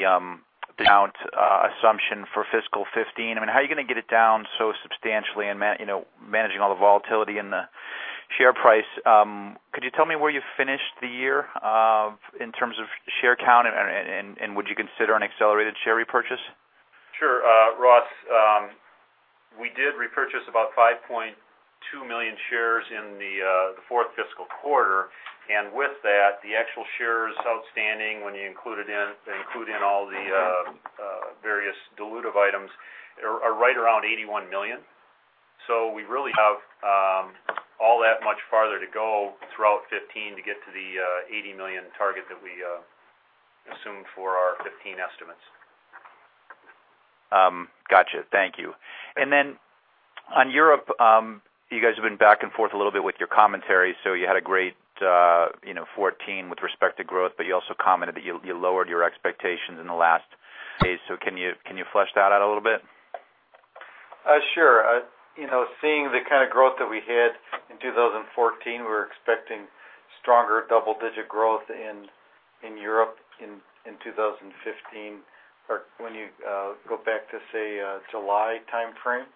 count assumption for fiscal 2015. I mean, how are you going to get it down so substantially and, you know, managing all the volatility in the share price? Could you tell me where you finished the year in terms of share count and would you consider an accelerated share repurchase? Sure, Ross. We did repurchase about 5.2 million shares in the fourth fiscal quarter. With that, the actual shares outstanding when you include in all the various dilutive items are right around 81 million. We really have all that much farther to go throughout 2015 to get to the 80 million target that we, we assume for our 2015 estimates. Got you. Thank you. On Europe, you guys have. Been back and forth a little bit with your commentary. You had a great 2014 with respect to growth, but you also commented that you lowered your expectations in the last days. Can you flesh that out a little bit? Sure. Seeing the kind of growth that we had in 2014, we were expecting stronger double digit growth in Europe in 2015 when you go back to say, July time frame.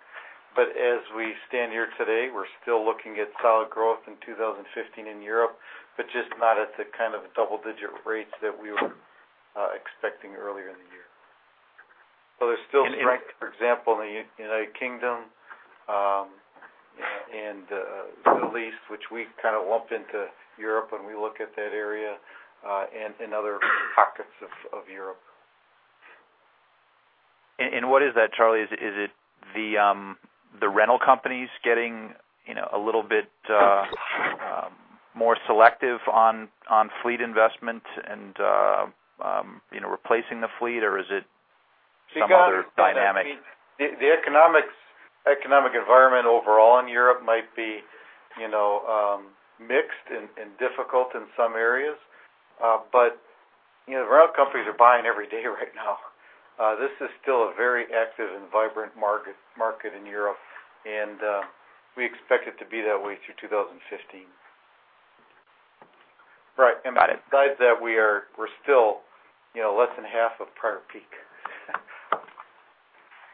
But as we stand here today, we're still looking at solid growth in 2015 in Europe, but just not at the kind of double digit rates that we were expecting earlier in the year. Well, there's still strength, for example, in the United Kingdom and Middle East, which we kind of lump into Europe when we look at that area and other pockets of Europe. And what is that, Charlie? Is it the rental companies getting a little bit more selective on fleet investment and replacing the fleet, or is it some other dynamic? The economic environment overall in Europe might be, you know, mixed and difficult in some areas, but rental companies are buying every day. Right now, this is still a very active and vibrant market in Europe and we expect it to be that way through 2015. Right. And I'm glad that we are. We're still less than half of prior peak.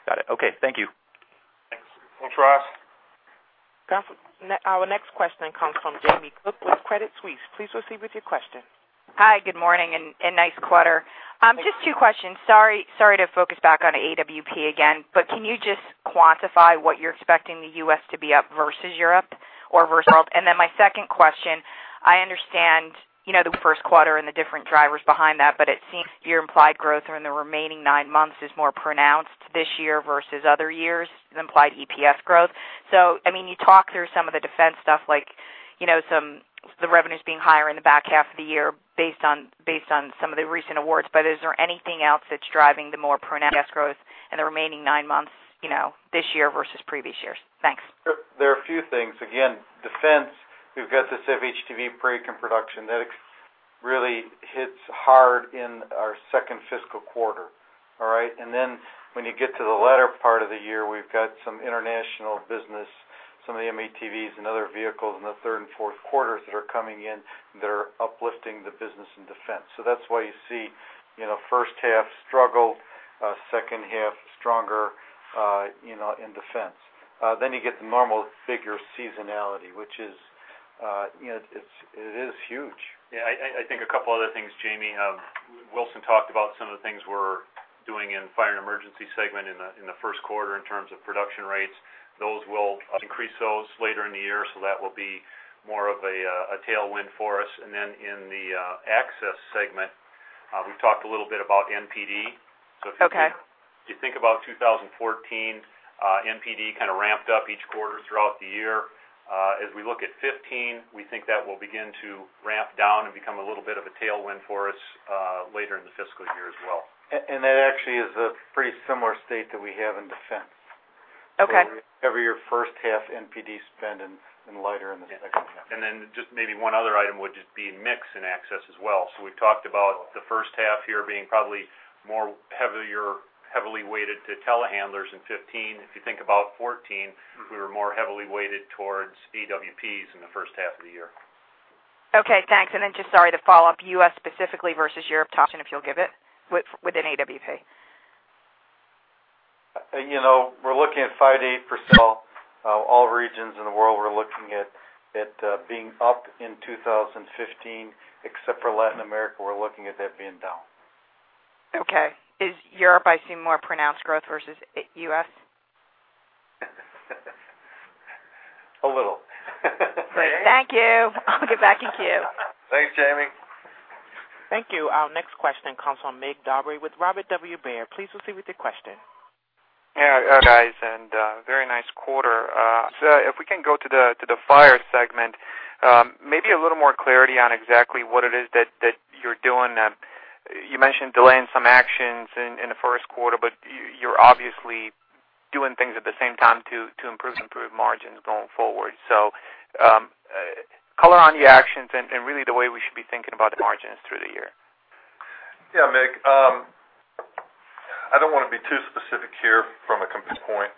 Got it. Okay, thank you. Thanks, Ross. Our next question comes from Jamie Cook with Credit Suisse. Please proceed with your question. Hi, good morning and nice quarter. Just two questions. Sorry to focus back on AWP again, but can you just quantify what you're expecting the U.S. to be up versus Europe or versus world? And then my second question. I understand the first quarter and the different drivers behind that, but it seems your implied growth in the remaining nine months is more pronounced this year versus other years, implied EPS growth. So, I mean, you talk through some of the defense stuff like the revenues being higher in the back half of the year based on some of the recent awards. But is there anything else that's driving the more pronounced growth in the remaining nine months this year versus previous years? Thanks. There are a few things. Again, defense, we've got this FHTV break in production that really hits hard in our second fiscal quarter. All right. And then when you get to the latter part of the year, we've got some international business. Some of the M-ATVs and other vehicles in the third and fourth quarters that are coming in that are uplifting the business in defense. So that's why you see first half struggle, second half stronger in defense. Then you get the normal fire seasonality, which is. It is huge. I think a couple other things Jamie, Wilson talked about some of the things we're doing in fire and emergency segment in the first quarter in terms of production rates, those will increase later in the year. So that will be more of a tailwind for us. And then in the access segment, we talked a little bit about NPD. So if you think about 2014, NPD kind of ramped up each quarter throughout the year. As we look at 2015, we think that will begin to ramp down and become a little bit of a tailwind for us later in the fiscal year as well. That actually is a pretty similar state that we have in defense. Okay. Cover your first half NPD spend and lighter in the second half. And then just maybe one other item would just be mix and access as well. So we talked about the first half here being probably more heavily weighted to telehandlers in 2015. If you think about 2014, we were more heavily weighted towards AWPs in the first half of the year. Okay, thanks. And then sorry to follow up, U.S. specifically versus Europe. Then, if you'll give it within AWP. You know, we're looking at 5%-8%. All regions in the world, we're looking at it being up in 2015. Except for Latin America, we're looking at that being down. Okay. In Europe, I see more pronounced growth versus U.S. A little. Thank you. I'll get back in queue. Thanks, Jamie. Thank you. Our next question comes from Mircea Dobre. With Robert W. Baird. Please proceed with your question, guys. Very nice quarter. If we can go to the fire segment, maybe a little more clarity on exactly what it is that you're doing. You mentioned delaying some actions in the first quarter, but you're obviously doing things at the same time to improve margins going forward. Color on your actions and really the way we should be thinking about the margins through the year. Yeah, Mig, I don't want to be too specific here from a compass point.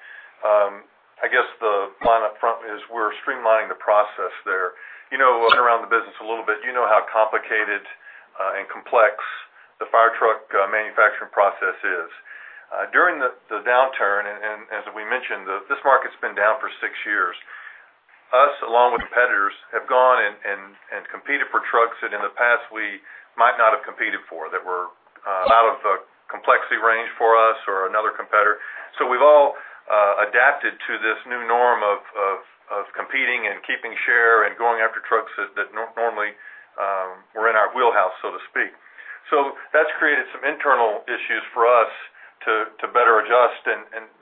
I guess the line up front is we're streamlining the process there, you know, around the business a little bit. You know how complicated and complex the fire truck manufacturing process is during the downturn. As we mentioned, this market's been down for six years. Us, along with competitors, have gone and competed for trucks that in the past we might not have competed for, that were out of the complexity range for us or another competitor. We've all adapted to this new norm of competing and keeping share and going after trucks that normally were in our wheelhouse, so to speak. So that's created some internal issues for us to better adjust.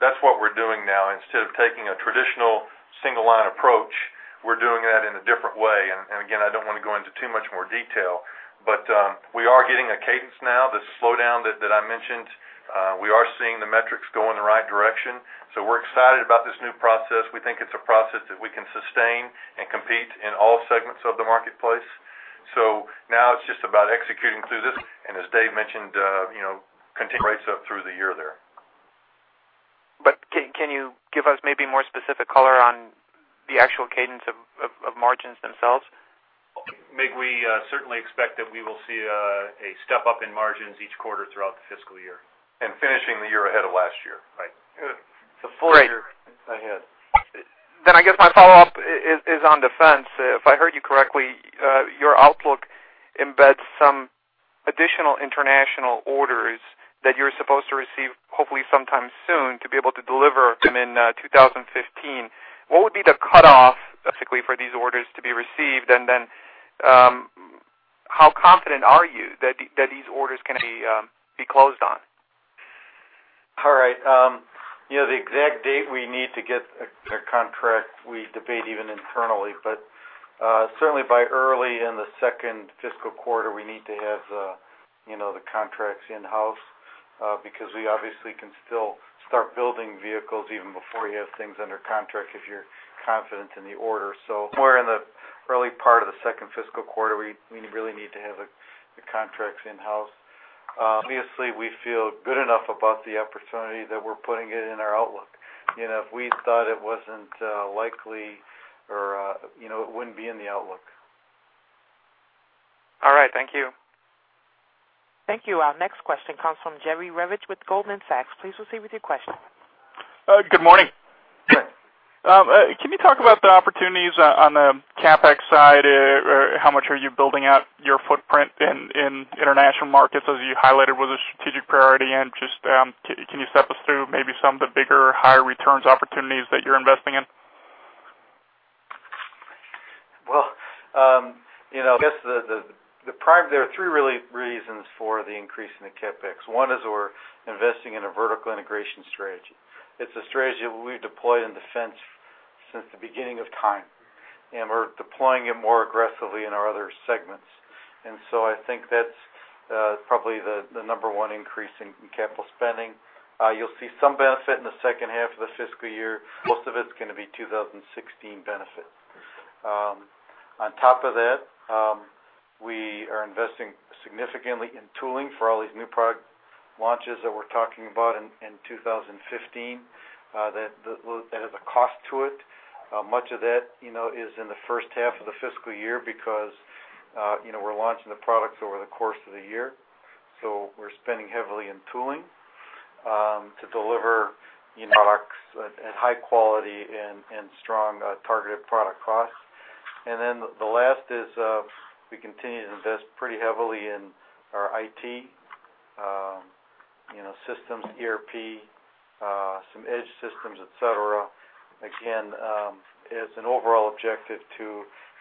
That's what we're doing now. Instead of taking a traditional single line approach, we're doing that in a different way. Again, I don't want to go into too much more detail, but we are getting a cadence now. The slowdown that I mentioned, we are seeing the metrics go in the right direction. We're excited about this new process. We think it's a process that we can sustain and compete in all segments of the marketplace. Now it's just about executing through this and as Dave mentioned, continued rates up through the year there. But can you give us maybe more specific color on the actual cadence of margins themselves? Mig, we certainly expect that we will see a step up in margins each quarter throughout the fiscal year. And finishing the year ahead of last year. Right. The full year ahead. Then I guess my follow up is on defense. If I heard you correctly, your outlook embeds some additional international orders that you're supposed to receive. Hopefully sometime soon to be able to deliver in 2015. What would be the cutoff basically for these orders to be received? And then how confident are you that these orders can be closed on? All right. The exact date we need to get a contract. We debate even internally, but certainly by early in the second fiscal quarter, we need to have the contracts in house because we obviously can still start building vehicles even before you have things under contract, if you're confident in the order. So we're in the early part of the second fiscal quarter. We really need to have the contracts in house. Obviously, we feel good enough about the opportunity that we're putting it in our outlook if we thought it wasn't likely or it wouldn't be in the outlook. All right, thank you. Thank you. Our next question comes from Jerry Revich with Goldman Sachs. Please proceed with your question. Good morning. Can you talk about the opportunities on the CapEx side? How much are you building out your footprint in international markets, as you highlighted was a strategic priority? And just can you step us through maybe some of the bigger, higher returns opportunities that you're investing in? Well, you know, I guess the prime there are three really reasons for the increase in the CapEx. One is we're investing in a vertical integration strategy. It's a strategy we've deployed in defense since the beginning of time, and we're deploying it more aggressively in our other segments. And so I think that's probably the number one increase in capital spending. You'll see some benefit in the second half of the fiscal year. Most of it's going to be 2016 benefits. On top of that, we are investing significantly in tooling for all these new product launches that we're talking about in 2015 that has a cost to it. Much of that is in the first half of the fiscal year because we're launching the products over the course of the year. So we're spending heavily in tooling to deliver products at high quality and strong targeted product cost. And then the last is we continue to invest pretty heavily in our IT systems, ERP, some edge systems, et cetera. Again, as an overall objective to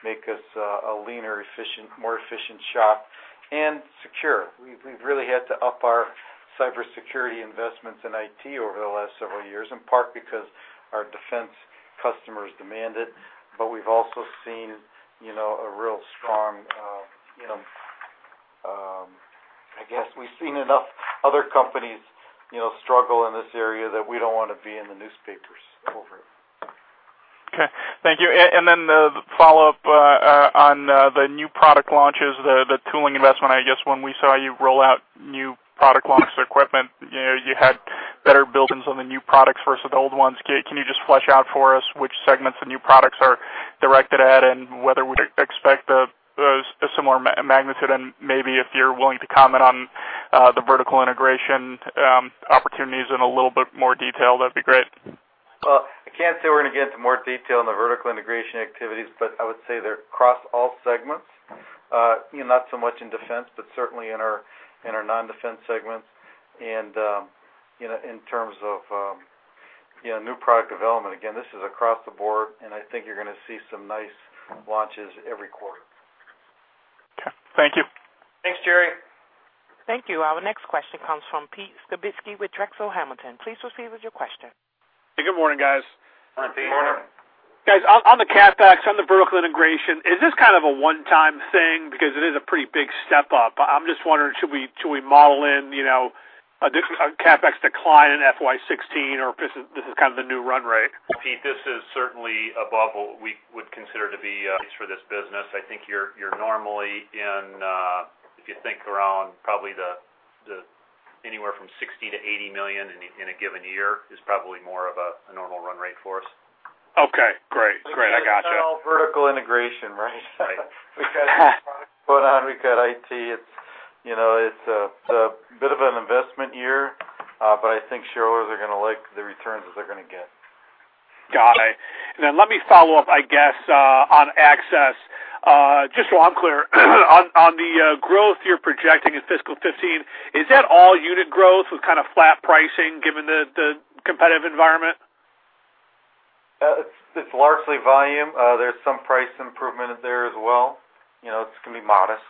make us a leaner, efficient, more efficient shop and secure. We've really had to up our cybersecurity investments in IT over the last several years in part because our defense customers demand it. But we've also seen a real strong, I guess we've seen enough other companies struggle in this area that we don't want to be in the newspapers over it. Okay, thank you. And then follow up on the new product launches. The tooling investment. I guess when we saw you roll new product launch equipment, you had better build-ins on the new products versus the old ones. Can you just flesh out for us which segments of new products are directed at and whether we expect a similar magnitude? And maybe if you're willing to comment on the vertical integration opportunities in a little bit more detail, that would be great. Well, I can't say we're going to get into more detail on the vertical integration activities, but I would say they're across all segments. Not so much in defense, but certainly in our non-Defense segments. And in terms of new product development, again, this is across the board and I think you're going to see some nice launches every quarter. Thank you. Thanks Jerry. Thank you. Our next question comes from Pete Skibitski with Drexel Hamilton. Please proceed with your question. Good morning guys. Good morning. On the CapEx on the vertical integration, is this kind of a one-time thing? Because it is a pretty big step up. I'm just wondering, should we model in a CapEx decline in FY16 or if this is kind of the new run rate? Pete, this is certainly above what we would consider to be for this business. I think you're normally in, if you think around probably anywhere from $60-$80 million in a given year is probably more of a normal run rate for us. Okay, great, great. I gotcha. Vertical integration, right? We've got it. It's, you know, it's a bit of an investment year but I think shareholders are going to like the returns that they're going to get. Got it. Let me follow up, I guess, on Access, just so I'm clear on the growth you're projecting in fiscal 2015. Is that all unit growth with kind of flat pricing given the competitive environment? It's largely volume. There's some price improvement there as well. You know it's going to be modest.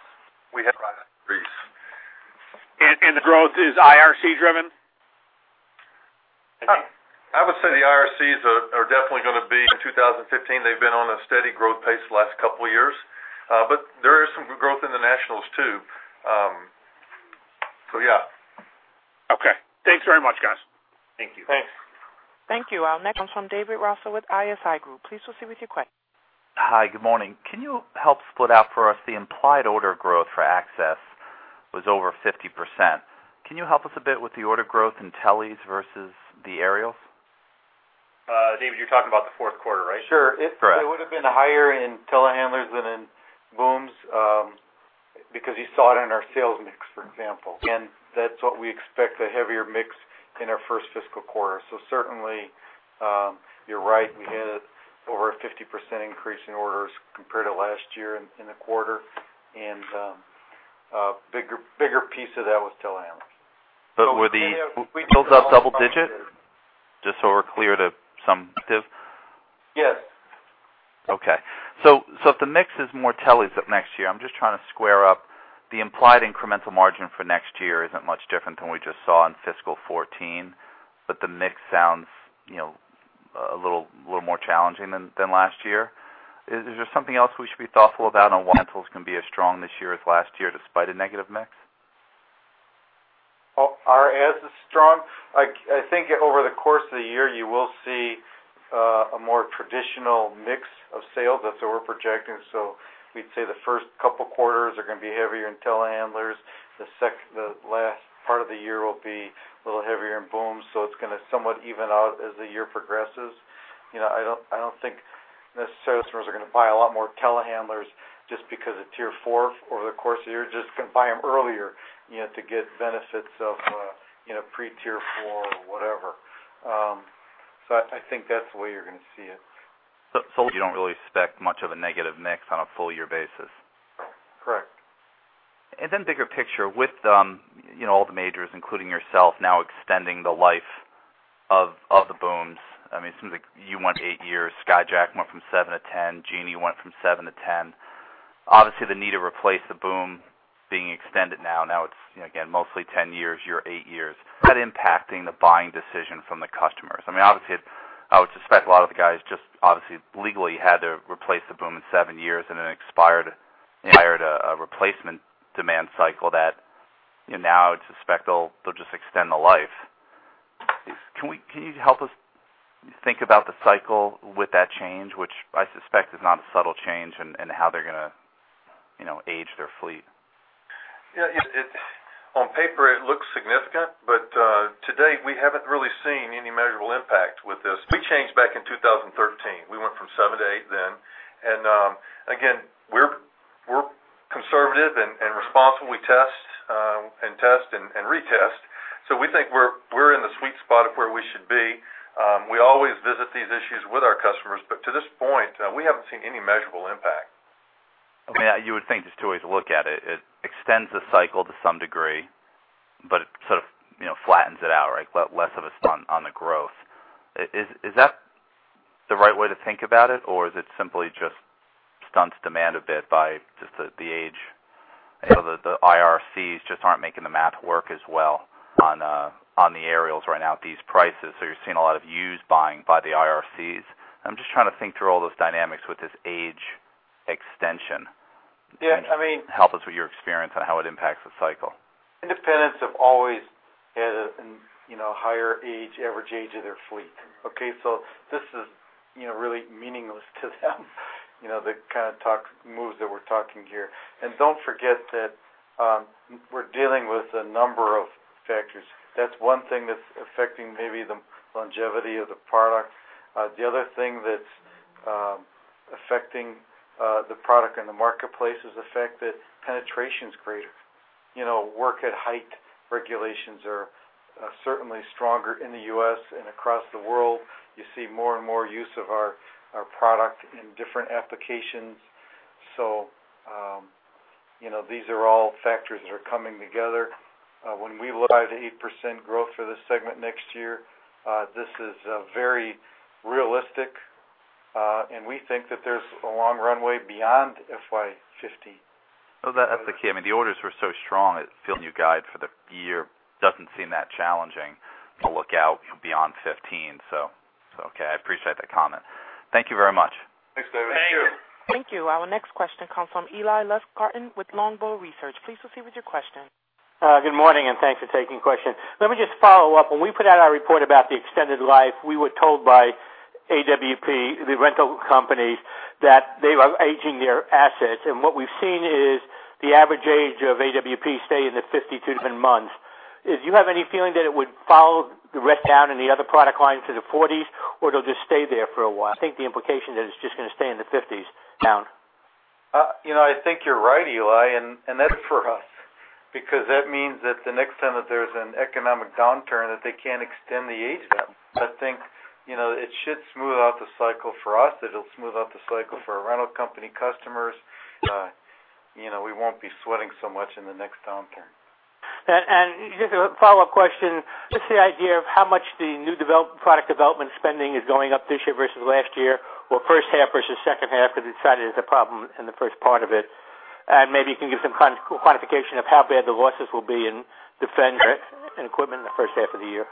We have. The growth is IRC driven. I would say the IRCs are definitely going to be in 2015. They've been on a steady growth pace last couple years. But there is some growth in the nationals too. Yeah. Okay, thanks very much, guys. Thank you. Thanks. Thank you. Our next comes from David Raso with ISI Group. Please proceed with your question. Hi, good morning. Can you help split out for us? The implied order growth for Access was over 50%. Can you help us a bit with? The order growth in teles versus the aerials? David, you're talking about the fourth quarter, right? Sure. It would have been higher in telehandlers than in booms because you saw it in our sales mix, for example, and that's what we expect, a heavier mix in our first fiscal quarter. So certainly you're right. We had over a 50% increase in orders compared to last year in the quarter and igger piece of that was telehandlers. But were they up double-digit? Just so we're clear to some diversity? Yes. Okay. So if the mix is more teles up next year, I'm just trying to. So, the implied incremental margin for next year isn't much different than we just saw in fiscal 2014. But the mix sounds a little more challenging than last year. Is there something else we should be? Thoughtful about why rentals can be as strong this year as last year despite a negative mix. I think over the course of the year you will see a more traditional mix of sales. That's what we're projecting. So we'd say the first couple quarters are going to be heavier in Telehandlers. The last part of the year will be a little heavier in booms. So it's going to somewhat even out as the year progresses. I don't think necessarily customers are going to buy a lot more Telehandlers just because of Tier 4 over the course of the year. Just going to buy them earlier to get benefits of pre-Tier 4 or whatever. So I think that's the way you're going to see it. You don't really expect much of a negative mix on a full year basis. Correct. And then bigger picture with all the majors, including yourself now extending the life of the booms. I mean it seems like you went 8 years, Skyjack went from seven to 10, Genie went from seven to 10. Obviously the need to replace the boom being extended now. Now it's again mostly 10 years or eight years. Is that impacting the buying decision from the customers? I mean obviously, I would suspect a. Lot of the guys just obviously legally. Had to replace the boom in seven years, and it expired a replacement demand cycle that now I would suspect they'll just extend the life. Can you help us think about the. Cycle with that change, which I suspect is not a subtle change in how they're going to age their fleet. On paper it looks significant, but to date we haven't really seen any measurable impact with this. We changed back in 2013. We went from seven to eight then and again we're conservative and responsible. We test and test and retest. So we think we're in the sweet. Spot on where we should be. We always visit these issues with our customers. But to this point, we haven't seen any measurable impact. You would think there's two ways to look at it. It extends the cycle to some degree, but it sort of flattens it out less of a stunt on the growth. Is that the right way to think? About it or is it simply just stunts demand a bit by just the age? The IRCs just aren't making the math work as well on the aerials right now at these prices. So you're seeing a lot of used buying by the IRCs. I'm just trying to think through all those dynamics with this age extension. Help us with your experience on how. It impacts the cycle. Independents have always had a higher average age of their fleet, so this is really meaningless to them. The kind of moves that we're talking here. And don't forget that we're dealing with a number of factors. That's one thing that's affecting maybe the longevity of the product. The other thing that's affecting the product in the marketplace is the fact that penetration is greater. You know, work at height regulations are certainly stronger in the U.S. and across the world, you see more and more use of our product in different applications. So, you know, these are all factors that are coming together. When we look at 8% growth for this segment next year, this is very realistic. And we think that there's a long runway beyond FY 2015 That's the key. I mean, the orders were so strong. Feel the new guide for the year doesn't seem that challenging. A look out beyond 2015, so. Okay, I appreciate that comment. Thank you very much. Thanks, David. Thank you. Thank you. Our next question comes from Eli Lustgarten with Longbow Research. Please proceed with your question. Good morning, and thanks for taking question. Let me just follow up. When we put out our report about the extended life, we were told by AWP, the rental companies, that they are aging their assets. What we've seen is the average age of AWP stay in the 52 different months. Do you have any feeling that it would follow the rest down in the other product lines to the 40s or it'll just stay there for a while? I think the implication that it's just going to stay in the 50s down. I think you're right, Eli, and that's for us because that means that the next time that there's an economic downturn that they can't extend the age. I think it should smooth out the cycle for us. It'll smooth out the cycle for our rental company customers. We won't be sweating so much in the next downturn. Just a follow-up question, just the idea of how much the new product development spending is going up this year versus last year or first half versus second half because you've indicated there's a problem in the first part of it. Maybe you can give some quantification of how bad the losses will be in defense and equipment in the first half of the year.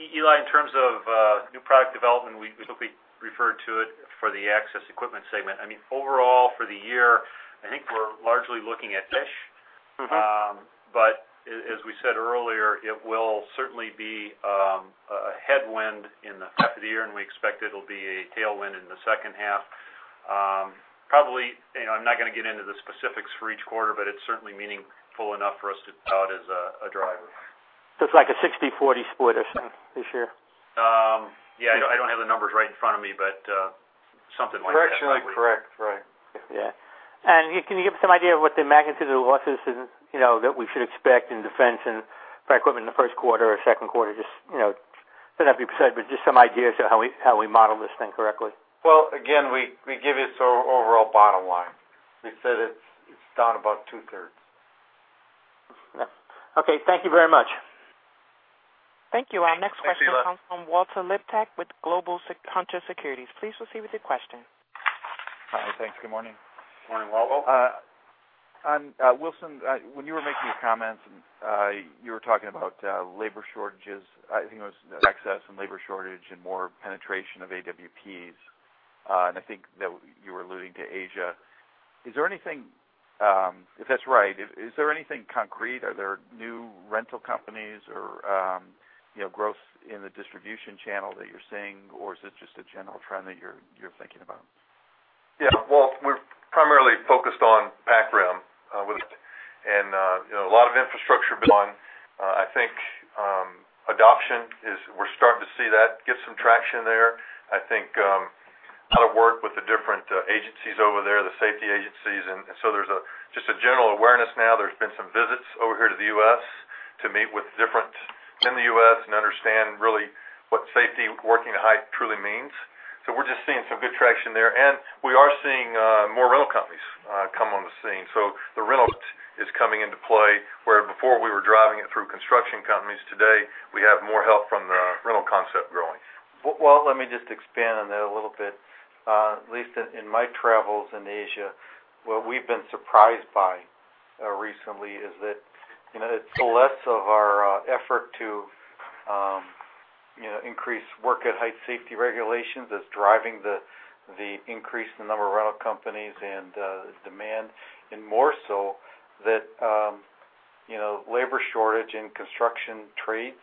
Eli, in terms of new product development we quickly referred to it for the access equipment segment. I mean overall for the year I think we're largely looking at flat. But as we said earlier, it will certainly be a headwind in the first half of the year and we expect it'll be a tailwind in the second half probably I'm not going to get into the specifics for each quarter but it's certainly meaningful enough for us to call it out as a driver. It's like a 60/40 split or something this year. Yeah, I don't have the numbers right in front of me, but something like. That's directionally correct, right? Yeah. Can you give us some idea of what the magnitude of losses that we should expect in defense and equipment in the first quarter or second quarter? Just you know, doesn't have to be. Precise but just some ideas of how. We model this thing correctly. Well, again we give you overall bottom line, we said it's down about 2/3. Okay, thank you very much. Thank you. Our next question comes from Walter Liptak with Global Hunter Securities. Please proceed with your question. Hi, thanks. Good morning. Good morning, Wilson. When you were making your comments, you were talking about labor shortages. I think it was access and labor shortage and more penetration of AWPs. And I think you were alluding to Asia. Is there anything, if that's right, is there anything concrete? Are there new rental companies or growth in the distribution channel that you're seeing, or is it just a general trend that you're thinking about? Yeah, well we're primarily focused on Pacific Rim and you know, a lot of infrastructure building. I think adoption is. We're starting to see that get some traction there. I think a lot of work with the different agencies over there, the safety agencies. And so there's just a general awareness now there's been some visits over here to the U.S. to meet with different in the U.S. and understand really what safety working height truly means. So we're just seeing some good traction there and we are seeing more rental companies come on the scene. So the rental is coming into play where before we were driving it through construction companies. Today we have more help from the rental concept growing. Well, let me just expand on that a little bit, at least in my travels in Asia. What we've been surprised by recently is that, you know, it's less of our effort to, you know, increase work at height safety regulations that's driving the increase in the number of rental companies and demand and more so that, you know, labor shortage in construction trades,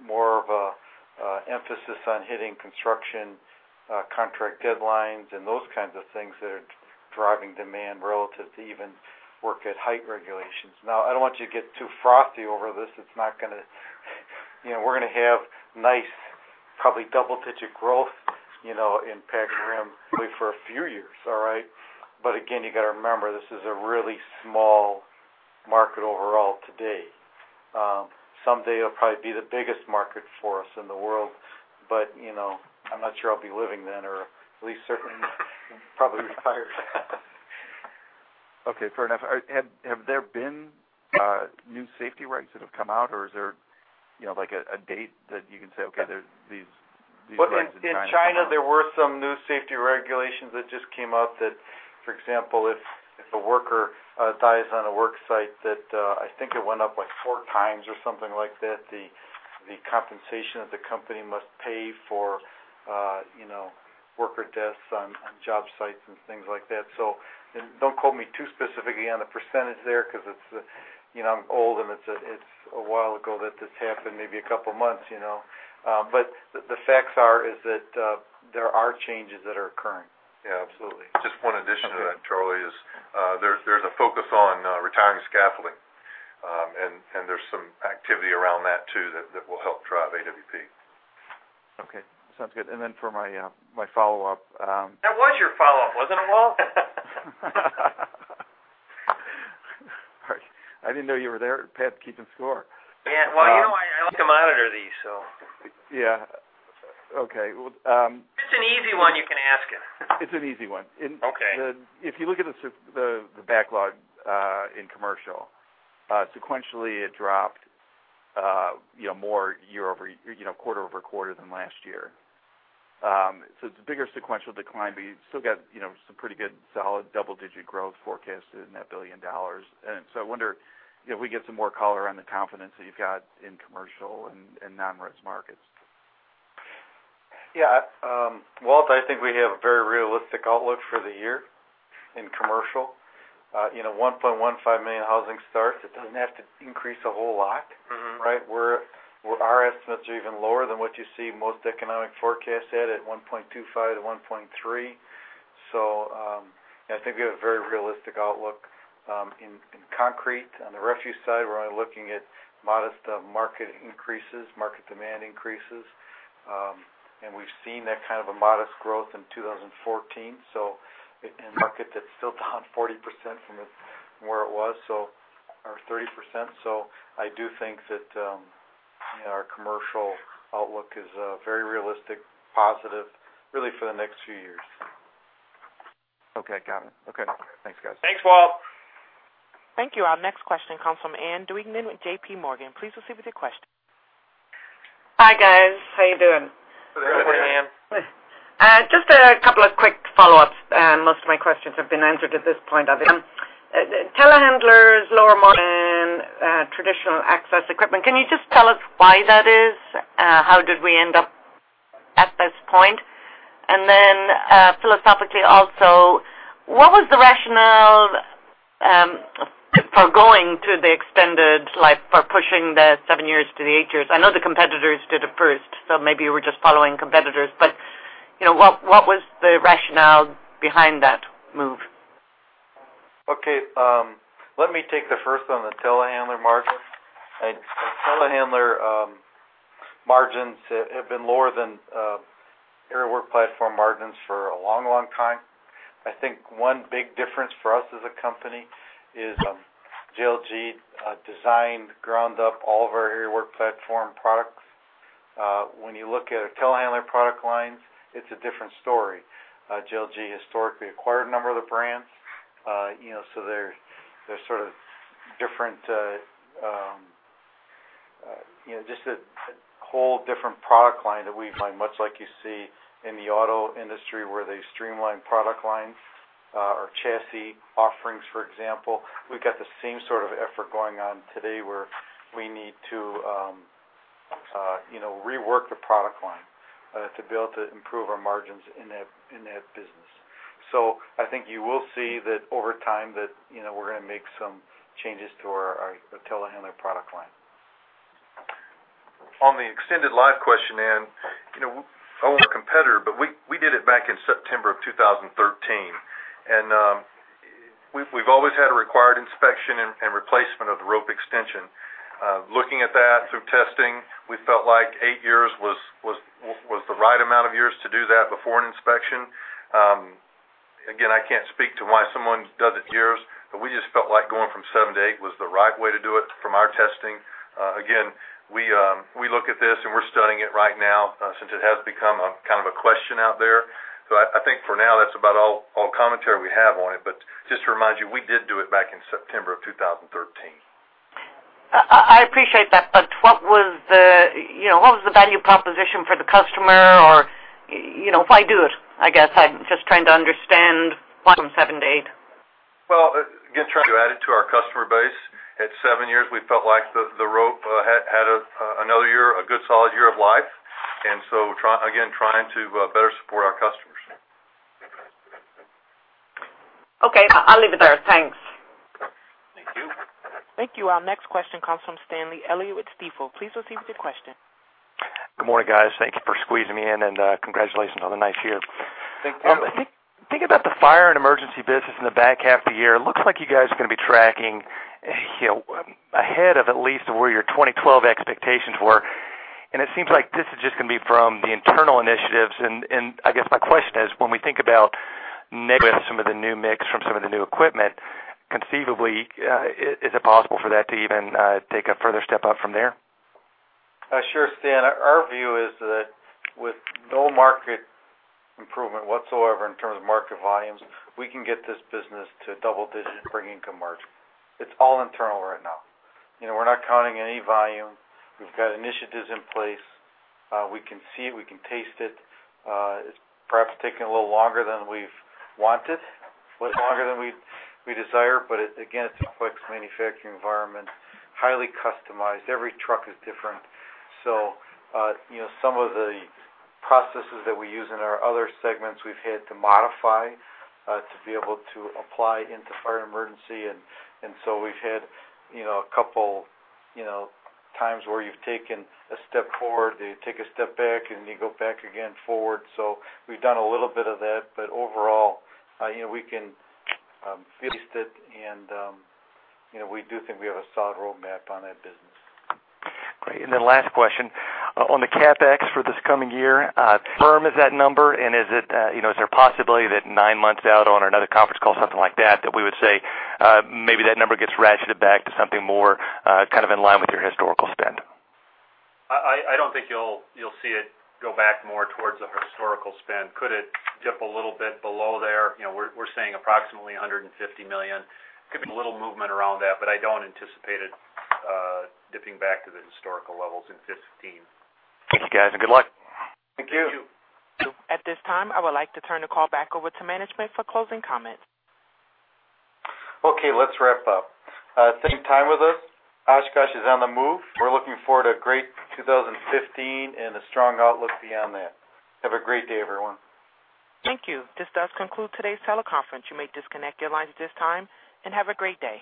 more of an emphasis on hitting construction contract deadlines and those kinds of things that are driving demand relative to even work at height regulations. Now, I don't want you to get too frothy over this. It's not going to, you know, we're going to have nice, probably double digit growth, you know, in Pac Rim for a few years. All right. But again, you got to remember, this is a really small market overall today. Someday it'll probably be the biggest market for us in the world. But, you know, I'm not sure I'll be living then or at least certainly probably retired. Okay, fair enough. Have there been new safety regs that have come out or is there a date that you can say, okay, like in China. In China there were some new safety regulations that just came up that, for example, if a worker dies on a work site that I think it went up like four times or something like that, that the compensation that the company must pay for worker deaths on job sites and things like that. So don't quote me too specifically on the percentage there because I'm old and it's a while ago that this happened, maybe a couple months. But the facts are, is that there are changes that are occurring. Yeah, absolutely. Just one addition to that, Charlie, is there's a focus on retiring scaffolding and there's some activity around that too that will help drive AWP. Okay, sounds good. And then for my follow up. That was your follow up, wasn't it, Walt? I didn't know you were there. Pat's keeping score. Well, you know, I like to monitor these, so. Yeah, okay. If it's an easy one, you can ask it. It's an easy one. If you look at the backlog in commercial, sequentially, it dropped more year-over-year, quarter-over-quarter than last year. So it's a bigger sequential decline, but you still got some pretty good solid double-digit growth forecasted in that $1 billion. So I wonder if we can get some more color on the confidence that you've got in commercial and non res markets. Yeah, Walt, I think we have a very realistic outlook for the year commercial. You know, 1.15 million housing starts. It doesn't have to increase a whole lot. Right. Our estimates are even lower than what you see most economic forecasts at 1.25 and 1.3. So I think we have a very realistic outlook in concrete, on the refuse side, we're only looking at modest market increases, market demand increases, and we've seen that kind of a modest growth in 2014. So, in market, that's still down 40% from where it was or 30%. So I do think that our commercial outlook is very realistic, positive, really, for the next few years. Okay, got it. Okay, thanks guys. Thanks, Walt. Thank you. Our next question comes from Ann Duignan with JPMorgan. Please go ahead with your question. Hi guys, how are you doing? Just a couple of quick follow-ups. Most of my questions have been answered at this point. Telehandlers lower margin, traditional access equipment. Can you just tell us why that is? How did we end up at this point? And then philosophically also, what was the rationale for going to the extended life, for pushing the seven years to the eight years? I know the competitors did it first, so maybe you were just following competitors, but what was the rationale behind that move? Okay, let me take the first on the Telehandler margin. Telehandler margins have been lower than aerial work platform margins for a long, long time. I think one big difference for us as a company is JLG designed ground up all of our aerial work platform products. When you look at our Telehandler product lines, it's a different story. JLG historically acquired a number of the brands, so there's sort of different, just a whole different product line that we find much like you see in the auto industry where they streamline product lines or chassis offerings, for example. We've got the same sort of effort going on today where we need to rework the product line to be able to improve our margins in that business. So I think you will see that over time that we're going to make some changes to our Telehandler product line. On the extended life question, and I want a competitor. But we did it back in September of 2013, and we've always had a required inspection and replacement of the rope extension. Looking at that through testing, we felt like eight years was the right amount of years to do that before an inspection. Again, I can't speak to why someone does it years, but we just felt like going from seven to eight was the right way to do it from our testing. Again, we look at this and we're studying it right now since it has become kind of a question out there. So I think for now, that's about all commentary we have on it. But just to remind you, we did do it back in September of 2013. I appreciate that, but what was the value proposition for the customer or why do it? I guess I'm just trying to understand why from seven to eight. Well again, trying to add it to our customer base. At seven years, we felt like the rope had another year, a good solid year of life. And so again, trying to better support our customers. Okay, I'll leave it there. Thanks. Thank you. Thank you. Our next question comes from Stanley Elliott with Stifel. Please proceed with your question. Good morning guys. Thank you for squeezing me in and congratulations on the nice year. Thinking about the fire and emergency business. In the back half of the year. It looks like you guys are going to be tracking ahead of at least. Where your 2012 expectations were. It seems like this is just. Going to be from the internal initiatives. I guess my question is, when? We think about negative some of the new mix from some of the new equipment, conceivably, is it possible for that to even take a further step up from there? Sure, Stan. Our view is that with no market improvement whatsoever in terms of market volumes, we can get this business to double-digit operating income margin. It's all internal right now. We're not counting any volume. We've got initiatives in place. We can see it, we can taste it. It's perhaps taking a little longer than we've wanted, longer than we desire. But again, it's a flexible manufacturing environment, highly customized. Every truck is different. So some of the processes that we use in our other segments we've had to modify to be able to apply into fire emergency. So we've had a couple times where you've taken a step forward, they take a step back and you go back again forward. So we've done a little bit of that, but overall we can forecast it and we do think we have a solid roadmap on that business. Great. Then last question on the CapEx for this coming year. Firm, is that number and is there a possibility that nine months out on another conference call, something like that, that we would say maybe that number gets ratcheted back to? Something more kind of in line with your historical spend? I don't think you'll see it go back more towards the historical spend. Could it dip a little bit below there? You know, we're saying approximately $150 million. Could be a little movement around that, but I don't anticipate it dipping back to the historical levels in 2015. Thank you, guys, and good luck. Thank you. At this time, I would like to turn the call back over to management for closing comments. Okay, let's wrap up. Spend time with us. Oshkosh is on the move. We're looking forward to a great 2015 and a strong outlook beyond that. Have a great day, everyone. Thank you. This does conclude today's teleconference. You may disconnect your lines at this time and have a great day.